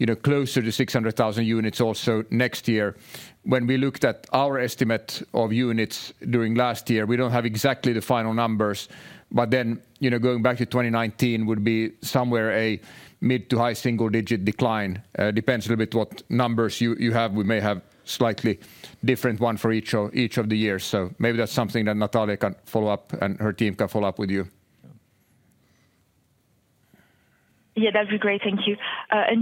you know, closer to 600,000 units also next year. When we looked at our estimate of units during last year, we don't have exactly the final numbers, but then, you know, going back to 2019 would be somewhere a mid to high single digit decline. It depends a little bit what numbers you have. We may have slightly different one for each of the years. Maybe that's something that Natalia can follow up and her team can follow up with you. Yeah, that'd be great. Thank you.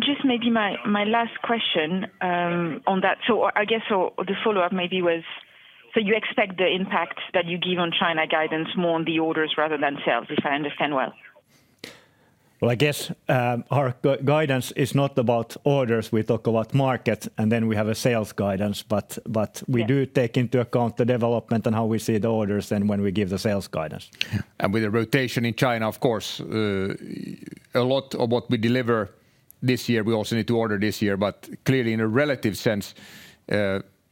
Just maybe my last question on that. I guess the follow-up maybe was, so you expect the impact that you give on China guidance more on the orders rather than sales, if I understand well? Well, I guess, our guidance is not about orders. We talk about market, and then we have a sales guidance. But- Yeah. we do take into account the development and how we see the orders then when we give the sales guidance. With the rotation in China, of course, a lot of what we deliver this year, we also need to order this year. Clearly in a relative sense,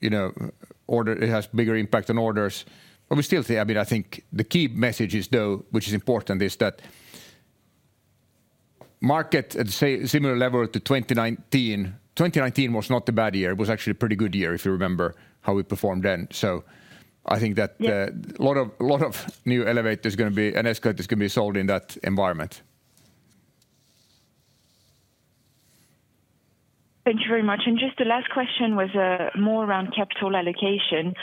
you know, order it has bigger impact on orders. We still see. I mean, I think the key message is though, which is important, is that market at similar level to 2019. 2019 was not a bad year. It was actually a pretty good year, if you remember how we performed then. I think that the Yeah. A lot of new elevators are gonna be, and escalators can be sold in that environment. Thank you very much. Just the last question was more around capital allocation.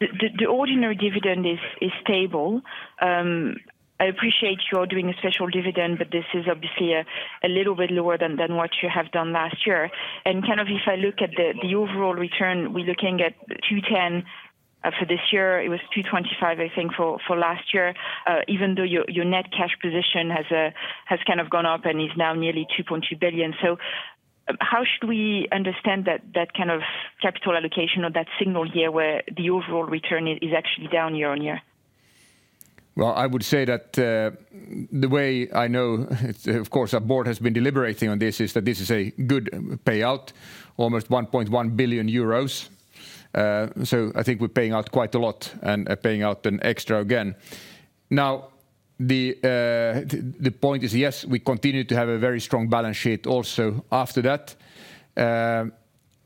The ordinary dividend is stable. I appreciate you're doing a special dividend, but this is obviously a little bit lower than what you have done last year. Kind of if I look at the overall return, we're looking at 2.10% for this year. It was 2.25%, I think, for last year, even though your net cash position has kind of gone up and is now nearly 2.2 billion. How should we understand that kind of capital allocation or that signal here where the overall return is actually down year on year? Well, I would say that of course our board has been deliberating on this, is that this is a good payout, almost 1.1 billion euros. I think we're paying out quite a lot and paying out an extra again. Now, the point is, yes, we continue to have a very strong balance sheet also after that.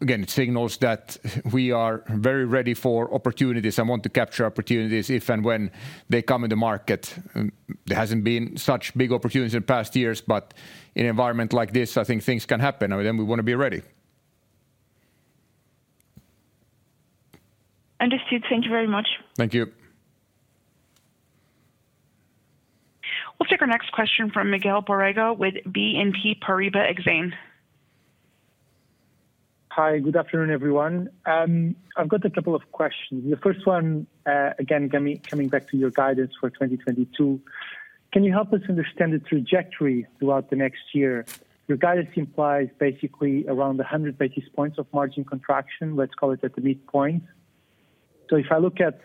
Again, it signals that we are very ready for opportunities and want to capture opportunities if and when they come in the market. There hasn't been such big opportunities in past years, but in an environment like this, I think things can happen, and then we wanna be ready. Understood. Thank you very much. Thank you. We'll take our next question from Miguel Borrega with BNP Paribas Exane. Hi, good afternoon, everyone. I've got a couple of questions. The first one, again, coming back to your guidance for 2022, can you help us understand the trajectory throughout the next year? Your guidance implies basically around 100 basis points of margin contraction, let's call it at the midpoint. If I look at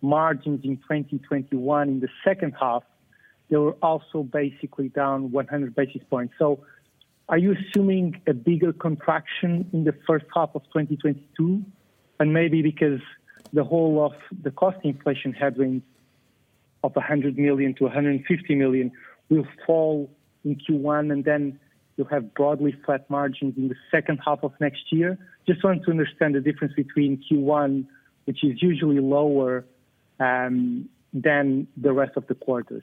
margins in 2021, in the second half, they were also basically down 100 basis points. Are you assuming a bigger contraction in the first half of 2022, and maybe because the whole of the cost inflation headwind of 100 million-150 million will fall in Q1, and then you'll have broadly flat margins in the second half of next year? Just want to understand the difference between Q1, which is usually lower than the rest of the quarters.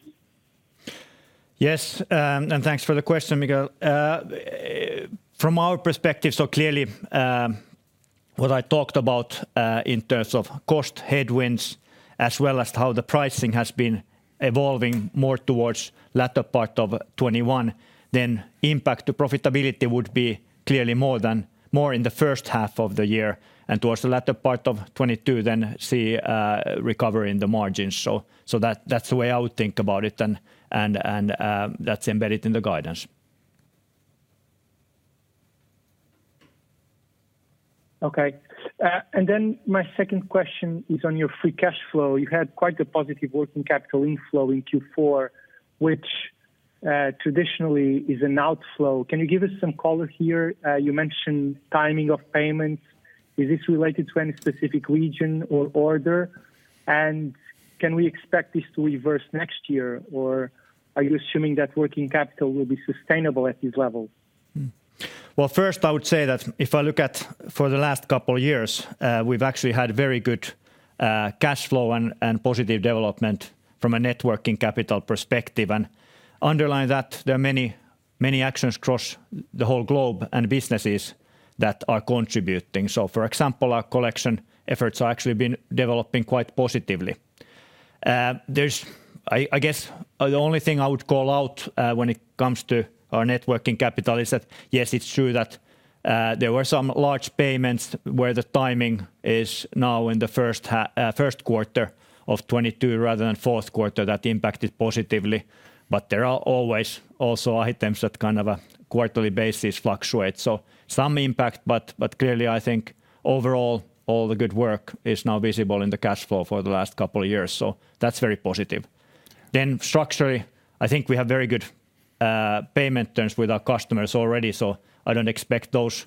Yes, and thanks for the question, Miguel. From our perspective, so clearly, What I talked about in terms of cost headwinds, as well as how the pricing has been evolving more towards latter part of 2021, then impact to profitability would be clearly more in the first half of the year and towards the latter part of 2022 then see recovery in the margins. So that that's the way I would think about it then, and that's embedded in the guidance. Okay, my second question is on your free cash flow. You had quite a positive working capital inflow in Q4, which traditionally is an outflow. Can you give us some color here? You mentioned timing of payments. Is this related to any specific region or order? Can we expect this to reverse next year, or are you assuming that working capital will be sustainable at these levels? Well, first, I would say that if I look at for the last couple of years, we've actually had very good cash flow and positive development from a working capital perspective. Underlying that, there are many, many actions across the whole globe and businesses that are contributing. For example, our collection efforts are actually been developing quite positively. I guess the only thing I would call out when it comes to our working capital is that, yes, it's true that there were some large payments where the timing is now in the first quarter of 2022 rather than fourth quarter that impacted positively. There are always also items that kind of on a quarterly basis fluctuate. Some impact, but clearly I think overall all the good work is now visible in the cash flow for the last couple of years. That's very positive. Structurally, I think we have very good payment terms with our customers already, so I don't expect those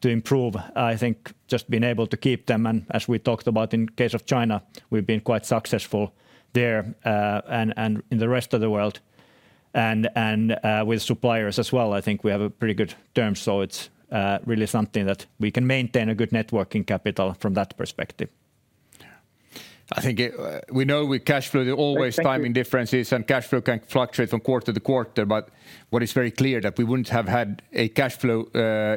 to improve. I think just being able to keep them and as we talked about in case of China, we've been quite successful there and in the rest of the world. With suppliers as well, I think we have a pretty good term. It's really something that we can maintain a good net working capital from that perspective. We know with cash flow. Great. Thank you. There's always timing differences, and cash flow can fluctuate from quarter to quarter. What is very clear that we wouldn't have had a cash flow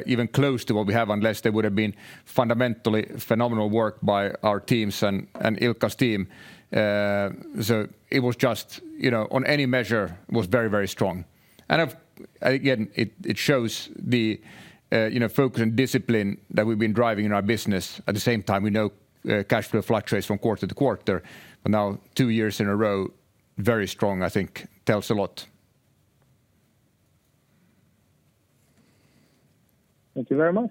even close to what we have unless there would have been fundamentally phenomenal work by our teams and Ilkka's team. It was just, you know, on any measure was very, very strong. I've again, it shows the, you know, focus and discipline that we've been driving in our business. At the same time, we know cash flow fluctuates from quarter to quarter. Now two years in a row, very strong, I think tells a lot. Thank you very much.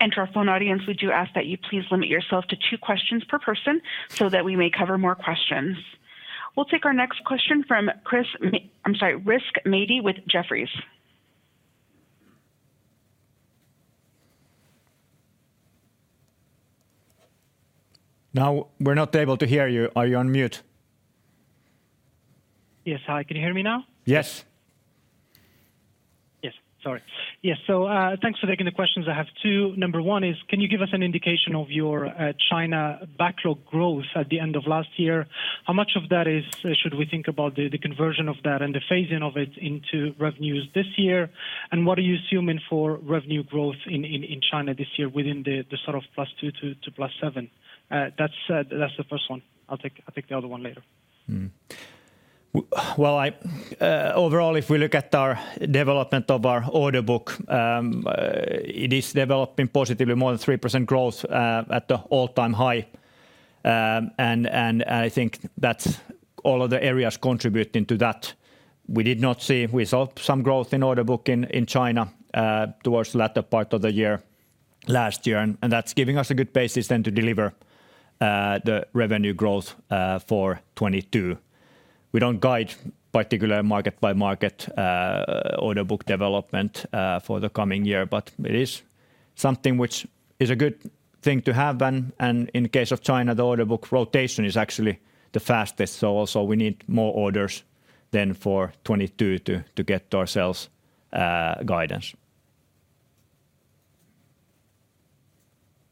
To our phone audience, we do ask that you please limit yourself to two questions per person so that we may cover more questions. We'll take our next question from Rizk Maidi with Jefferies. Now we're not able to hear you. Are you on mute? Yes. Hi, can you hear me now? Yes. Thanks for taking the questions. I have two. Number one is, can you give us an indication of your China backlog growth at the end of last year? How much of that should we think about the conversion of that and the phasing of it into revenues this year? And what are you assuming for revenue growth in China this year within the sort of +2% to +7%? That's the first one. I'll take the other one later. Well, overall, if we look at our development of our order book, it is developing positively more than 3% growth, at the all-time high. I think that's all of the areas contributing to that. We saw some growth in order book in China, towards the latter part of the year, last year, and that's giving us a good basis then to deliver the revenue growth for 2022. We don't guide particular market by market order book development for the coming year, but it is something which is a good thing to have. In the case of China, the order book rotation is actually the fastest. Also we need more orders than for 2022 to get ourselves guidance.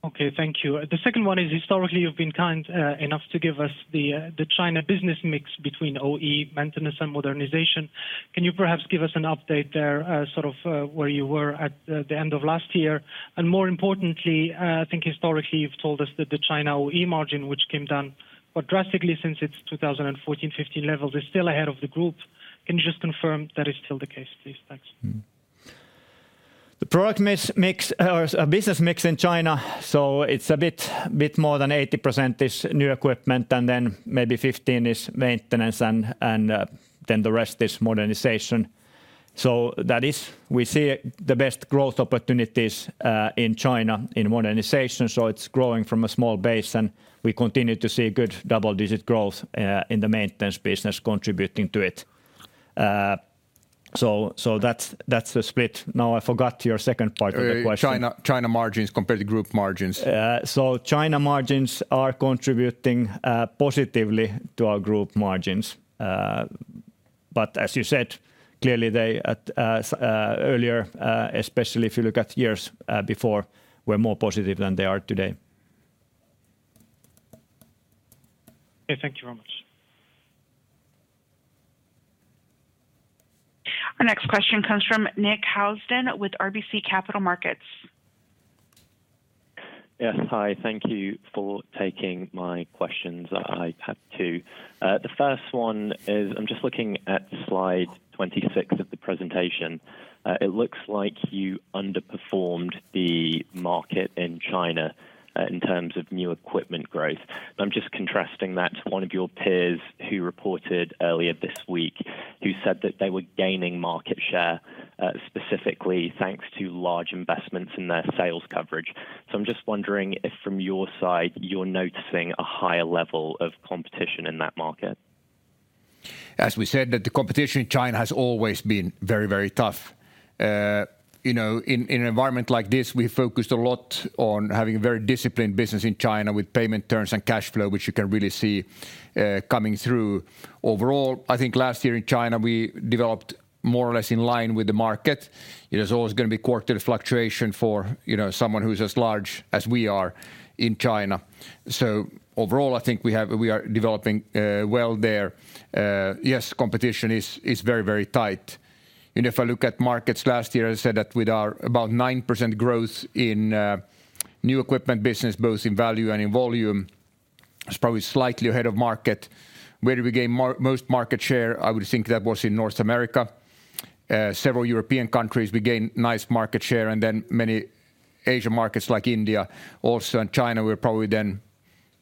Okay, thank you. The second one is, historically, you've been kind enough to give us the China business mix between OE maintenance and modernization. Can you perhaps give us an update there, sort of, where you were at the end of last year? More importantly, I think historically you've told us that the China OE margin, which came down quite drastically since its 2014, 2015 levels, is still ahead of the group. Can you just confirm that is still the case, please? Thanks. The product mix or business mix in China, so it's a bit more than 80% is new equipment, and then maybe 15% is maintenance and then the rest is modernization. That is. We see the best growth opportunities in China in modernization, so it's growing from a small base, and we continue to see good double-digit growth in the maintenance business contributing to it. That's the split. Now, I forgot your second part of the question. China margins compared to group margins. China margins are contributing positively to our group margins. As you said, clearly they earlier, especially if you look at years before, were more positive than they are today. Yeah, thank you very much. Our next question comes from Nick Housden with RBC Capital Markets. Yes. Hi. Thank you for taking my questions. I have two. The first one is, I'm just looking at slide 26 of the presentation. It looks like you underperformed the market in China, in terms of new equipment growth. I'm just contrasting that to one of your peers who reported earlier this week, who said that they were gaining market share, specifically thanks to large investments in their sales coverage. I'm just wondering if, from your side, you're noticing a higher level of competition in that market. As we said that the competition in China has always been very, very tough. You know, in an environment like this, we focused a lot on having a very disciplined business in China with payment terms and cash flow, which you can really see coming through. Overall, I think last year in China, we developed more or less in line with the market. It is always gonna be quarter fluctuation for, you know, someone who's as large as we are in China. So overall, I think we are developing well there. Yes, competition is very, very tight. If I look at markets last year, I said that with our about 9% growth in new equipment business, both in value and in volume, it's probably slightly ahead of market. Where we gained the most market share, I would think that was in North America. Several European countries, we gained nice market share, and then many Asian markets like India also and China, we're probably then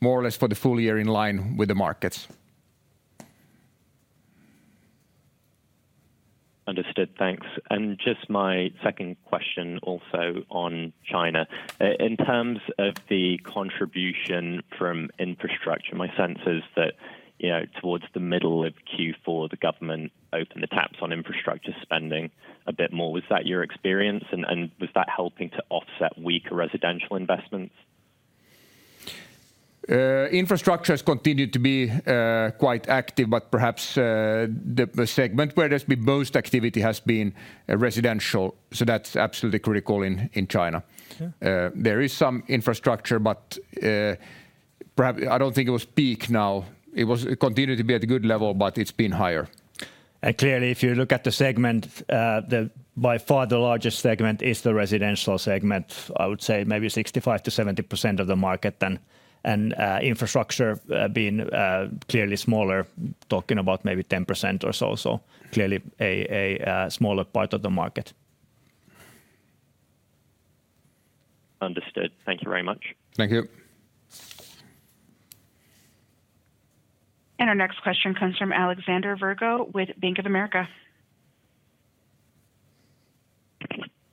more or less for the full year in line with the markets. Understood. Thanks. Just my second question also on China. In terms of the contribution from infrastructure, my sense is that, you know, towards the middle of Q4, the government opened the taps on infrastructure spending a bit more. Was that your experience? Was that helping to offset weaker residential investments? Infrastructure has continued to be quite active, but perhaps the segment where there's been most activity has been residential. That's absolutely critical in China. Yeah. There is some infrastructure, but perhaps I don't think it will peak now. It was continuing to be at a good level, but it's been higher. Clearly, if you look at the segment, by far the largest segment is the residential segment. I would say maybe 65%-70% of the market. Infrastructure being clearly smaller, talking about maybe 10% or so clearly a smaller part of the market. Understood. Thank you very much. Thank you. Our next question comes from Alexander Virgo with Bank of America.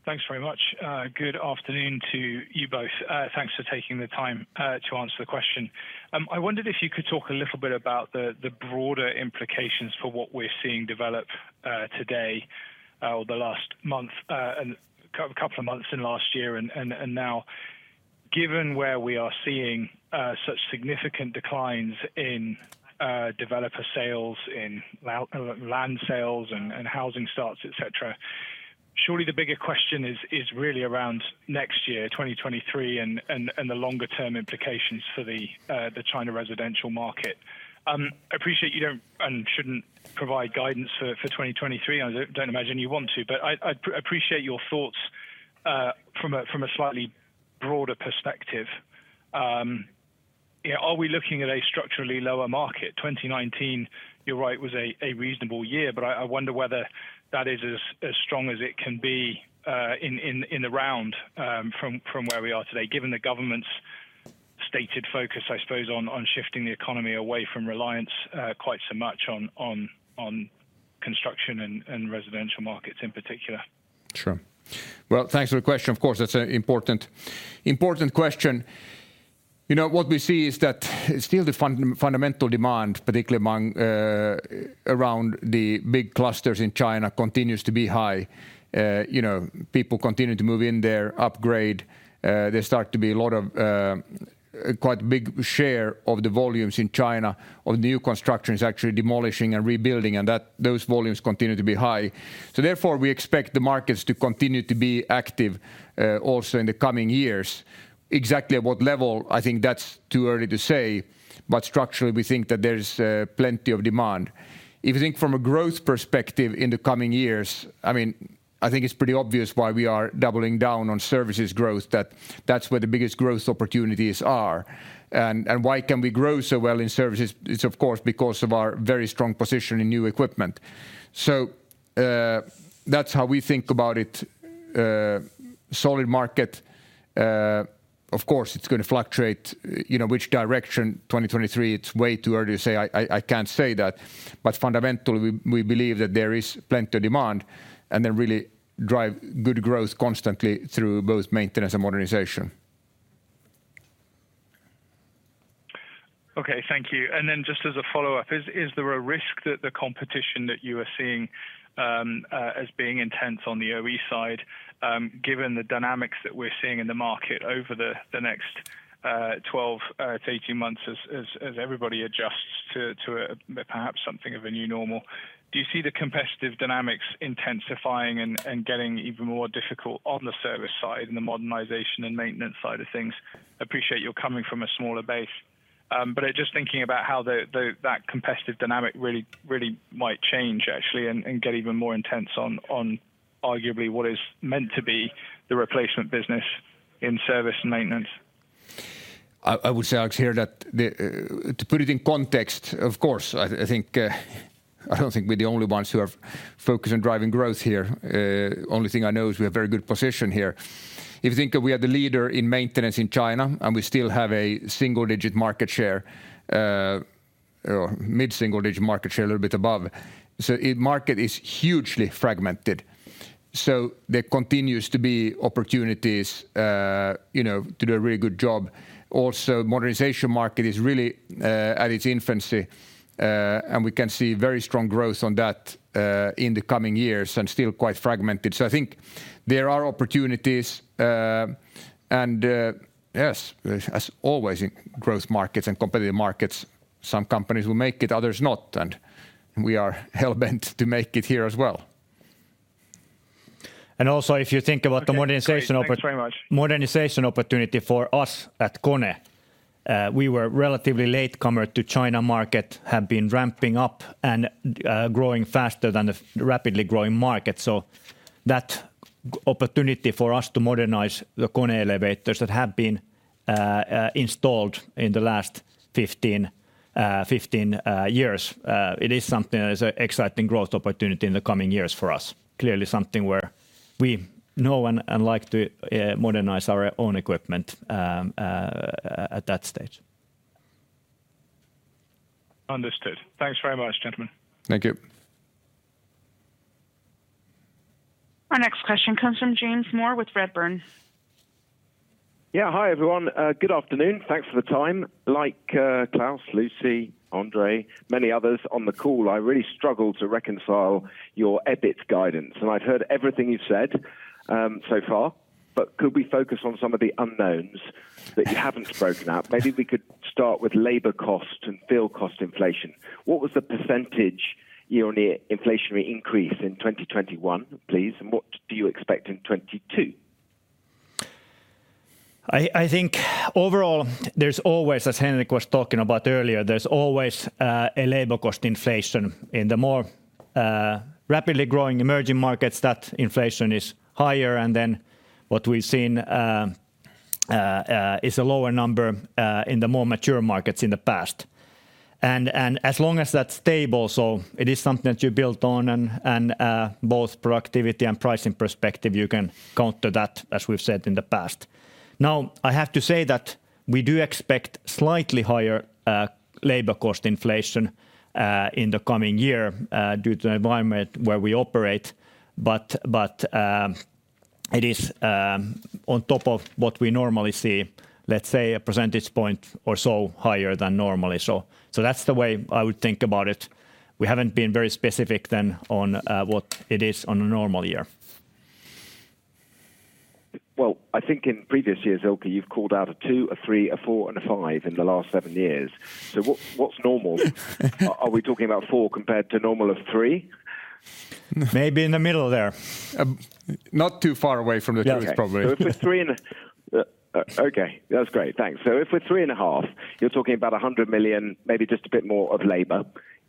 Thanks very much. Good afternoon to you both. Thanks for taking the time to answer the question. I wondered if you could talk a little bit about the broader implications for what we're seeing develop today, or the last month, and couple of months in last year and now. Given where we are seeing such significant declines in developer sales, in land sales and housing starts, et cetera. Surely the bigger question is really around next year, 2023, and the longer term implications for the China residential market. Appreciate you don't and shouldn't provide guidance for 2023. I don't imagine you want to. I'd appreciate your thoughts from a slightly broader perspective. You know, are we looking at a structurally lower market? 2019, you're right, was a reasonable year, but I wonder whether that is as strong as it can be in the round, from where we are today, given the government's stated focus, I suppose, on shifting the economy away from reliance quite so much on construction and residential markets in particular. Sure. Well, thanks for the question. Of course, that's an important question. You know, what we see is that still the fundamental demand, particularly around the big clusters in China, continues to be high. You know, people continue to move in there, upgrade. There start to be a lot of quite a big share of the volumes in China of new construction is actually demolishing and rebuilding, and those volumes continue to be high. Therefore, we expect the markets to continue to be active, also in the coming years. Exactly at what level, I think that's too early to say, but structurally, we think that there's plenty of demand. If you think from a growth perspective in the coming years, I mean, I think it's pretty obvious why we are doubling down on services growth, that that's where the biggest growth opportunities are. Why can we grow so well in services? It's of course because of our very strong position in new equipment. That's how we think about it. Solid market, of course, it's gonna fluctuate. You know, which direction, 2023, it's way too early to say, I can't say that. Fundamentally, we believe that there is plenty of demand and then really drive good growth constantly through both maintenance and modernization. Okay, thank you. Then just as a follow-up. Is there a risk that the competition that you are seeing as being intense on the OE side, given the dynamics that we're seeing in the market over the next 12 to 18 months as everybody adjusts to perhaps something of a new normal? Do you see the competitive dynamics intensifying and getting even more difficult on the service side and the modernization and maintenance side of things? Appreciate you're coming from a smaller base, but just thinking about how that competitive dynamic really might change actually and get even more intense on arguably what is meant to be the replacement business in service and maintenance. Alex, to put it in context, of course, I don't think we're the only ones who have focused on driving growth here. The only thing I know is we have a very good position here. If you think that we are the leader in maintenance in China, and we still have a single-digit market share, or mid-single digit market share, a little bit above. The market is hugely fragmented. There continues to be opportunities, you know, to do a really good job. Also, the modernization market is really at its infancy. We can see very strong growth on that in the coming years and still quite fragmented. I think there are opportunities. Yes, as always in growth markets and competitive markets, some companies will make it, others not, and we are hell-bent to make it here as well. if you think about the modernization oppor- Okay, great. Thanks very much.... modernization opportunity for us at KONE. We were a relatively latecomer to the China market, have been ramping up and growing faster than the rapidly growing market. That opportunity for us to modernize the KONE elevators that have been installed in the last 15 years is something that is an exciting growth opportunity in the coming years for us. Clearly, something where we know and like to modernize our own equipment at that stage. Understood. Thanks very much, gentlemen. Thank you. Our next question comes from James Moore with Redburn. Yeah. Hi, everyone. Good afternoon. Thanks for the time. Like, Klas, Lucie, Andre, many others on the call, I really struggle to reconcile your EBIT guidance. I've heard everything you've said so far. Could we focus on some of the unknowns that you haven't spoken about? Maybe we could start with labor cost and fuel cost inflation. What was the percentage year-on-year inflationary increase in 2021, please? And what do you expect in 2022? I think overall there's always, as Henrik was talking about earlier, a labor cost inflation. In the more rapidly growing emerging markets, that inflation is higher than what we've seen is a lower number in the more mature markets in the past. As long as that's stable, it is something that you built on and both productivity and pricing perspective, you can counter that, as we've said in the past. Now, I have to say that we do expect slightly higher labor cost inflation in the coming year due to environment where we operate. It is on top of what we normally see, let's say a percentage point or so higher than normal. That's the way I would think about it. We haven't been very specific then on what it is on a normal year. Well, I think in previous years, Ilkka, you've called out a 2%, a 3%, a 4%, and a 5% in the last seven years. What's normal? Are we talking about 4% compared to normal of 3%? Maybe in the middle there. Not too far away from the truth probably. Okay, that's great. Thanks. If we're 3.5%, you're talking about 100 million, maybe just a bit more of labor.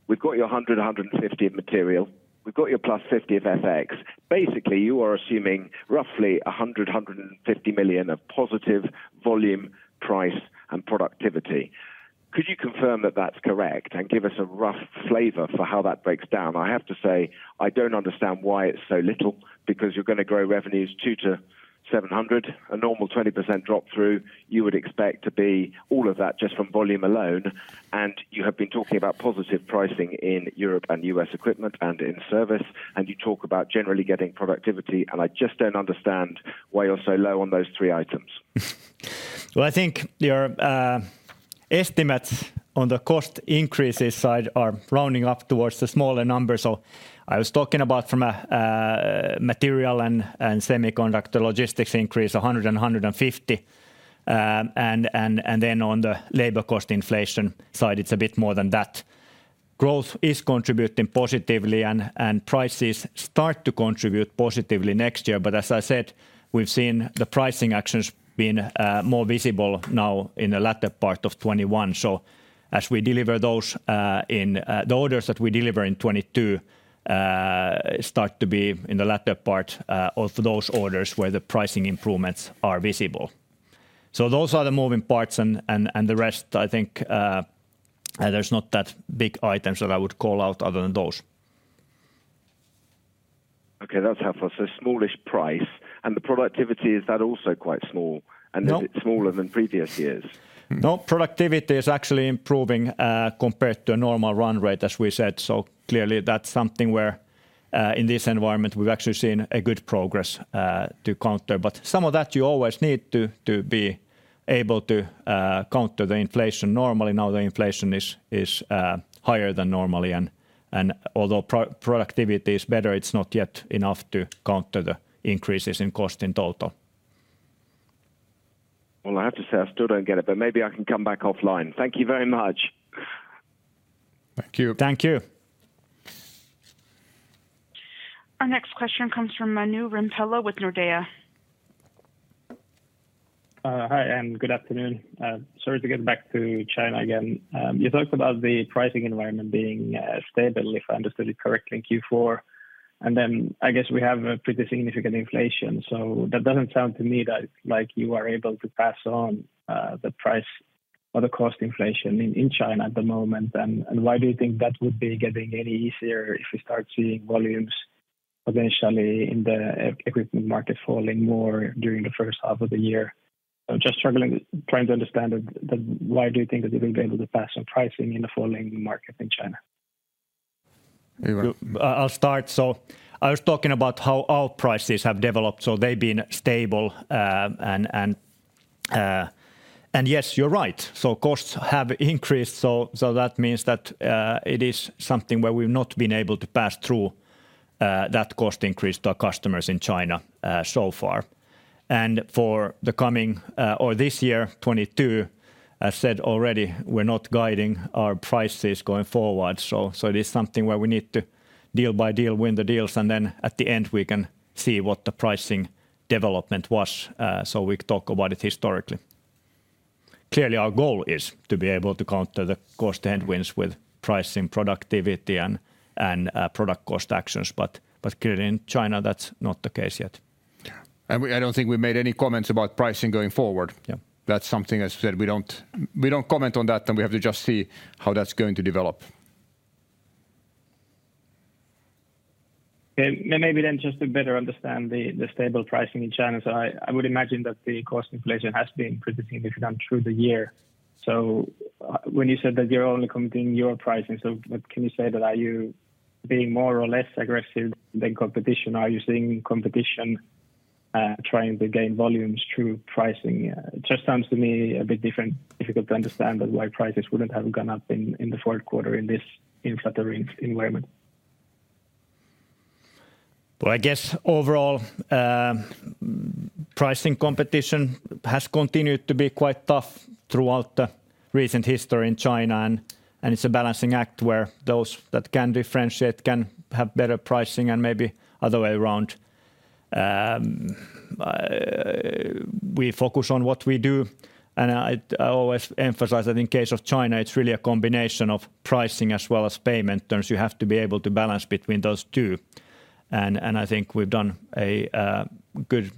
We've got you 100 million-150 million of material. We've got you +50 million of FX. Basically, you are assuming roughly 100 million-150 million of positive volume, price, and productivity. Could you confirm that that's correct and give us a rough flavor for how that breaks down? I have to say, I don't understand why it's so little, because you're gonna grow revenues 200 million-700 million, a normal 20% drop through. You would expect to be all of that just from volume alone, and you have been talking about positive pricing in Europe and U.S. equipment and in service, and you talk about generally getting productivity, and I just don't understand why you're so low on those three items. Well, I think your estimates on the cost increases side are rounding up towards the smaller number. I was talking about from a material and semiconductor logistics increase, 150. And then on the labor cost inflation side, it's a bit more than that. Growth is contributing positively and prices start to contribute positively next year. As I said, we've seen the pricing actions being more visible now in the latter part of 2021. As we deliver those, the orders that we deliver in 2022 start to be in the latter part of those orders where the pricing improvements are visible. Those are the moving parts and the rest, I think, there's not that big items that I would call out other than those. Okay, that's helpful. Smallish price. The productivity, is that also quite small? No. Is it smaller than previous years? No, productivity is actually improving, compared to a normal run rate, as we said. Clearly that's something where, in this environment, we've actually seen a good progress, to counter. Some of that you always need to be able to counter the inflation normally. Now the inflation is higher than normally and although productivity is better, it's not yet enough to counter the increases in cost in total. Well, I have to say, I still don't get it, but maybe I can come back offline. Thank you very much. Thank you. Thank you. Our next question comes from Manu Rimpelä with Nordea. Hi and good afternoon. Sorry to get back to China again. You talked about the pricing environment being stable, if I understood it correctly, in Q4. Then I guess we have a pretty significant inflation. That doesn't sound to me like you are able to pass on the price or the cost inflation in China at the moment. Why do you think that would be getting any easier if we start seeing volumes eventually in the equipment market falling more during the first half of the year? I'm just struggling trying to understand why do you think that you will be able to pass on pricing in a falling market in China? I'll start. I was talking about how our prices have developed, so they've been stable. Yes, you're right. Costs have increased, so that means that it is something where we've not been able to pass through that cost increase to our customers in China so far. For the coming or this year, 2022, I said already we're not guiding our prices going forward. It is something where we need to deal by deal, win the deals, and then at the end we can see what the pricing development was, so we can talk about it historically. Clearly, our goal is to be able to counter the cost headwinds with pricing productivity and product cost actions. Clearly in China, that's not the case yet. Yeah. I don't think we made any comments about pricing going forward. Yeah. That's something, as you said, we don't comment on that, and we have to just see how that's going to develop. Yeah. Maybe just to better understand the stable pricing in China. I would imagine that the cost inflation has been pretty significant through the year. When you said that you're only committing your pricing, what can you say, are you being more or less aggressive than competition? Are you seeing competition trying to gain volumes through pricing? It just sounds to me a bit different, difficult to understand why prices wouldn't have gone up in the fourth quarter in this inflationary environment. Well, I guess overall, pricing competition has continued to be quite tough throughout the recent history in China. It's a balancing act where those that can differentiate can have better pricing and maybe other way around. We focus on what we do. I always emphasize that in case of China, it's really a combination of pricing as well as payment terms. You have to be able to balance between those two. I think we've done a good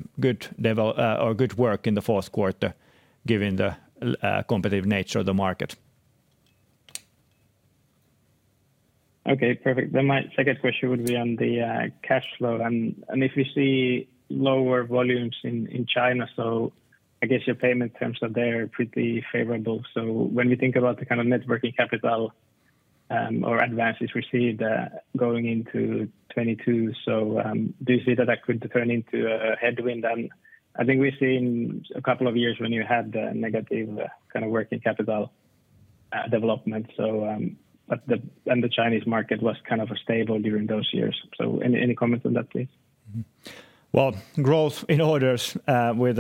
work in the fourth quarter, given the competitive nature of the market. Okay, perfect. My second question would be on the cash flow and if you see lower volumes in China. I guess your payment terms are there pretty favorable. When we think about the kind of net working capital or advances received going into 2022, do you see that could turn into a headwind? I think we've seen a couple of years when you had the negative kind of working capital development, but the Chinese market was kind of stable during those years. Any comments on that, please? Well, growth in orders with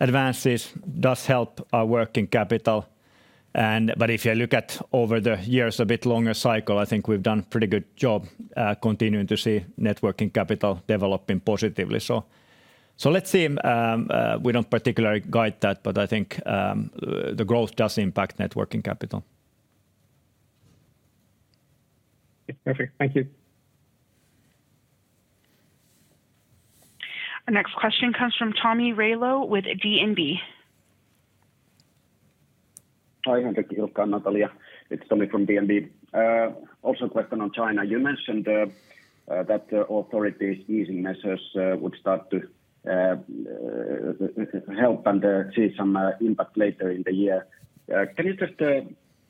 advances does help our working capital. If you look at over the years a bit longer cycle, I think we've done pretty good job continuing to see net working capital developing positively. Let's see. We don't particularly guide that, but I think the growth does impact net working capital. Perfect. Thank you. Our next question comes from Tomi Railo with DNB. Hi, Henrik, Ilkka, Natalia. It's Tomi from DNB. Also a question on China. You mentioned that the authorities easing measures would start to help and see some impact later in the year. Can you just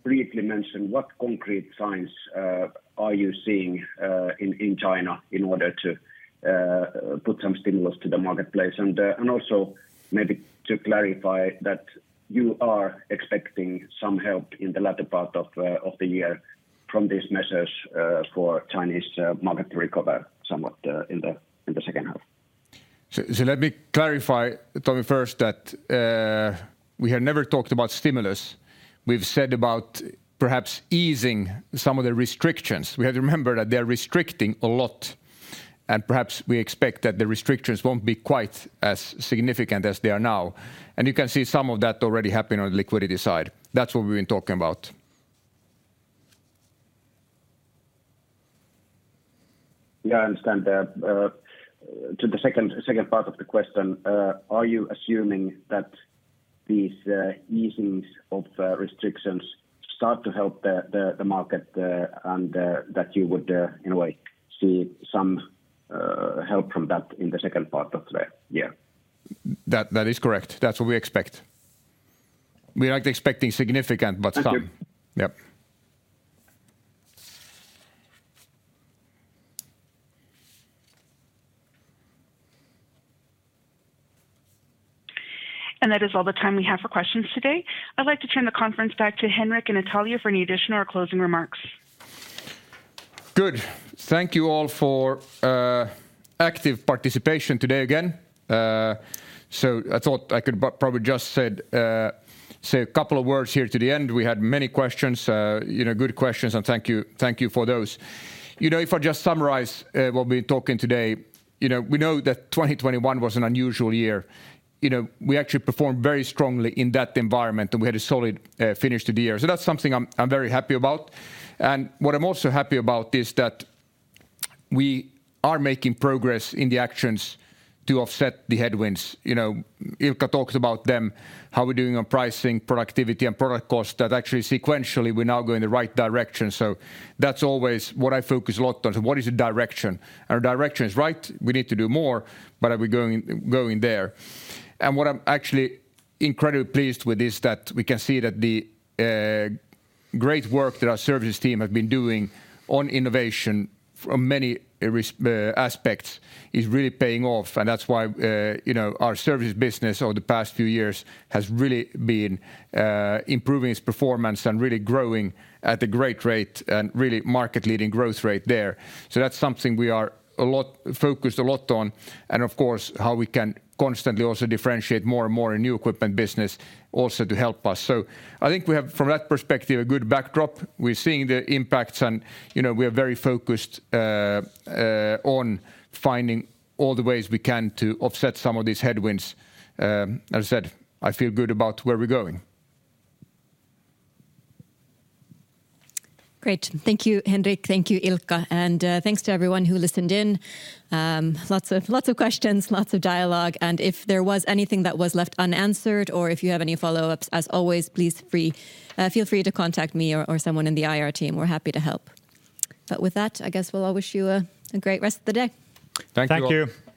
briefly mention what concrete signs are you seeing in China in order to put some stimulus to the marketplace? And also maybe to clarify that you are expecting some help in the latter part of the year from these measures for Chinese market to recover somewhat in the second half. Let me clarify, Tomi, first that we have never talked about stimulus. We've said about perhaps easing some of the restrictions. We have to remember that they're restricting a lot, and perhaps we expect that the restrictions won't be quite as significant as they are now. You can see some of that already happening on the liquidity side. That's what we've been talking about. Yeah, I understand that. To the second part of the question, are you assuming that these easings of restrictions start to help the market and that you would in a way see some help from that in the second part of the year? That is correct. That's what we expect. We're not expecting significant, but some. Thank you. Yep. That is all the time we have for questions today. I'd like to turn the conference back to Henrik and Natalia for any additional or closing remarks. Good. Thank you all for active participation today again. I thought I could say a couple of words here to the end. We had many questions, you know, good questions, and thank you for those. You know, if I just summarize what we're talking about today, you know, we know that 2021 was an unusual year. You know, we actually performed very strongly in that environment, and we had a solid finish to the year. That's something I'm very happy about. What I'm also happy about is that we are making progress in the actions to offset the headwinds. You know, Ilkka talked about them, how we're doing on pricing, productivity, and product costs that actually sequentially we're now going the right direction. That's always what I focus a lot on. What is the direction? Our direction is right. We need to do more, but are we going there? What I'm actually incredibly pleased with is that we can see that the great work that our services team have been doing on innovation from many aspects is really paying off. That's why, you know, our services business over the past few years has really been improving its performance and really growing at a great rate and really market-leading growth rate there. That's something we are focused a lot on and of course, how we can constantly also differentiate more and more in new equipment business also to help us. I think we have, from that perspective, a good backdrop. We're seeing the impacts and, you know, we are very focused on finding all the ways we can to offset some of these headwinds. As I said, I feel good about where we're going. Great. Thank you, Henrik. Thank you, Ilkka. Thanks to everyone who listened in. Lots of questions, lots of dialogue. If there was anything that was left unanswered or if you have any follow-ups, as always, please feel free to contact me or someone in the IR team. We're happy to help. With that, I guess we'll all wish you a great rest of the day. Thank you all. Thank you.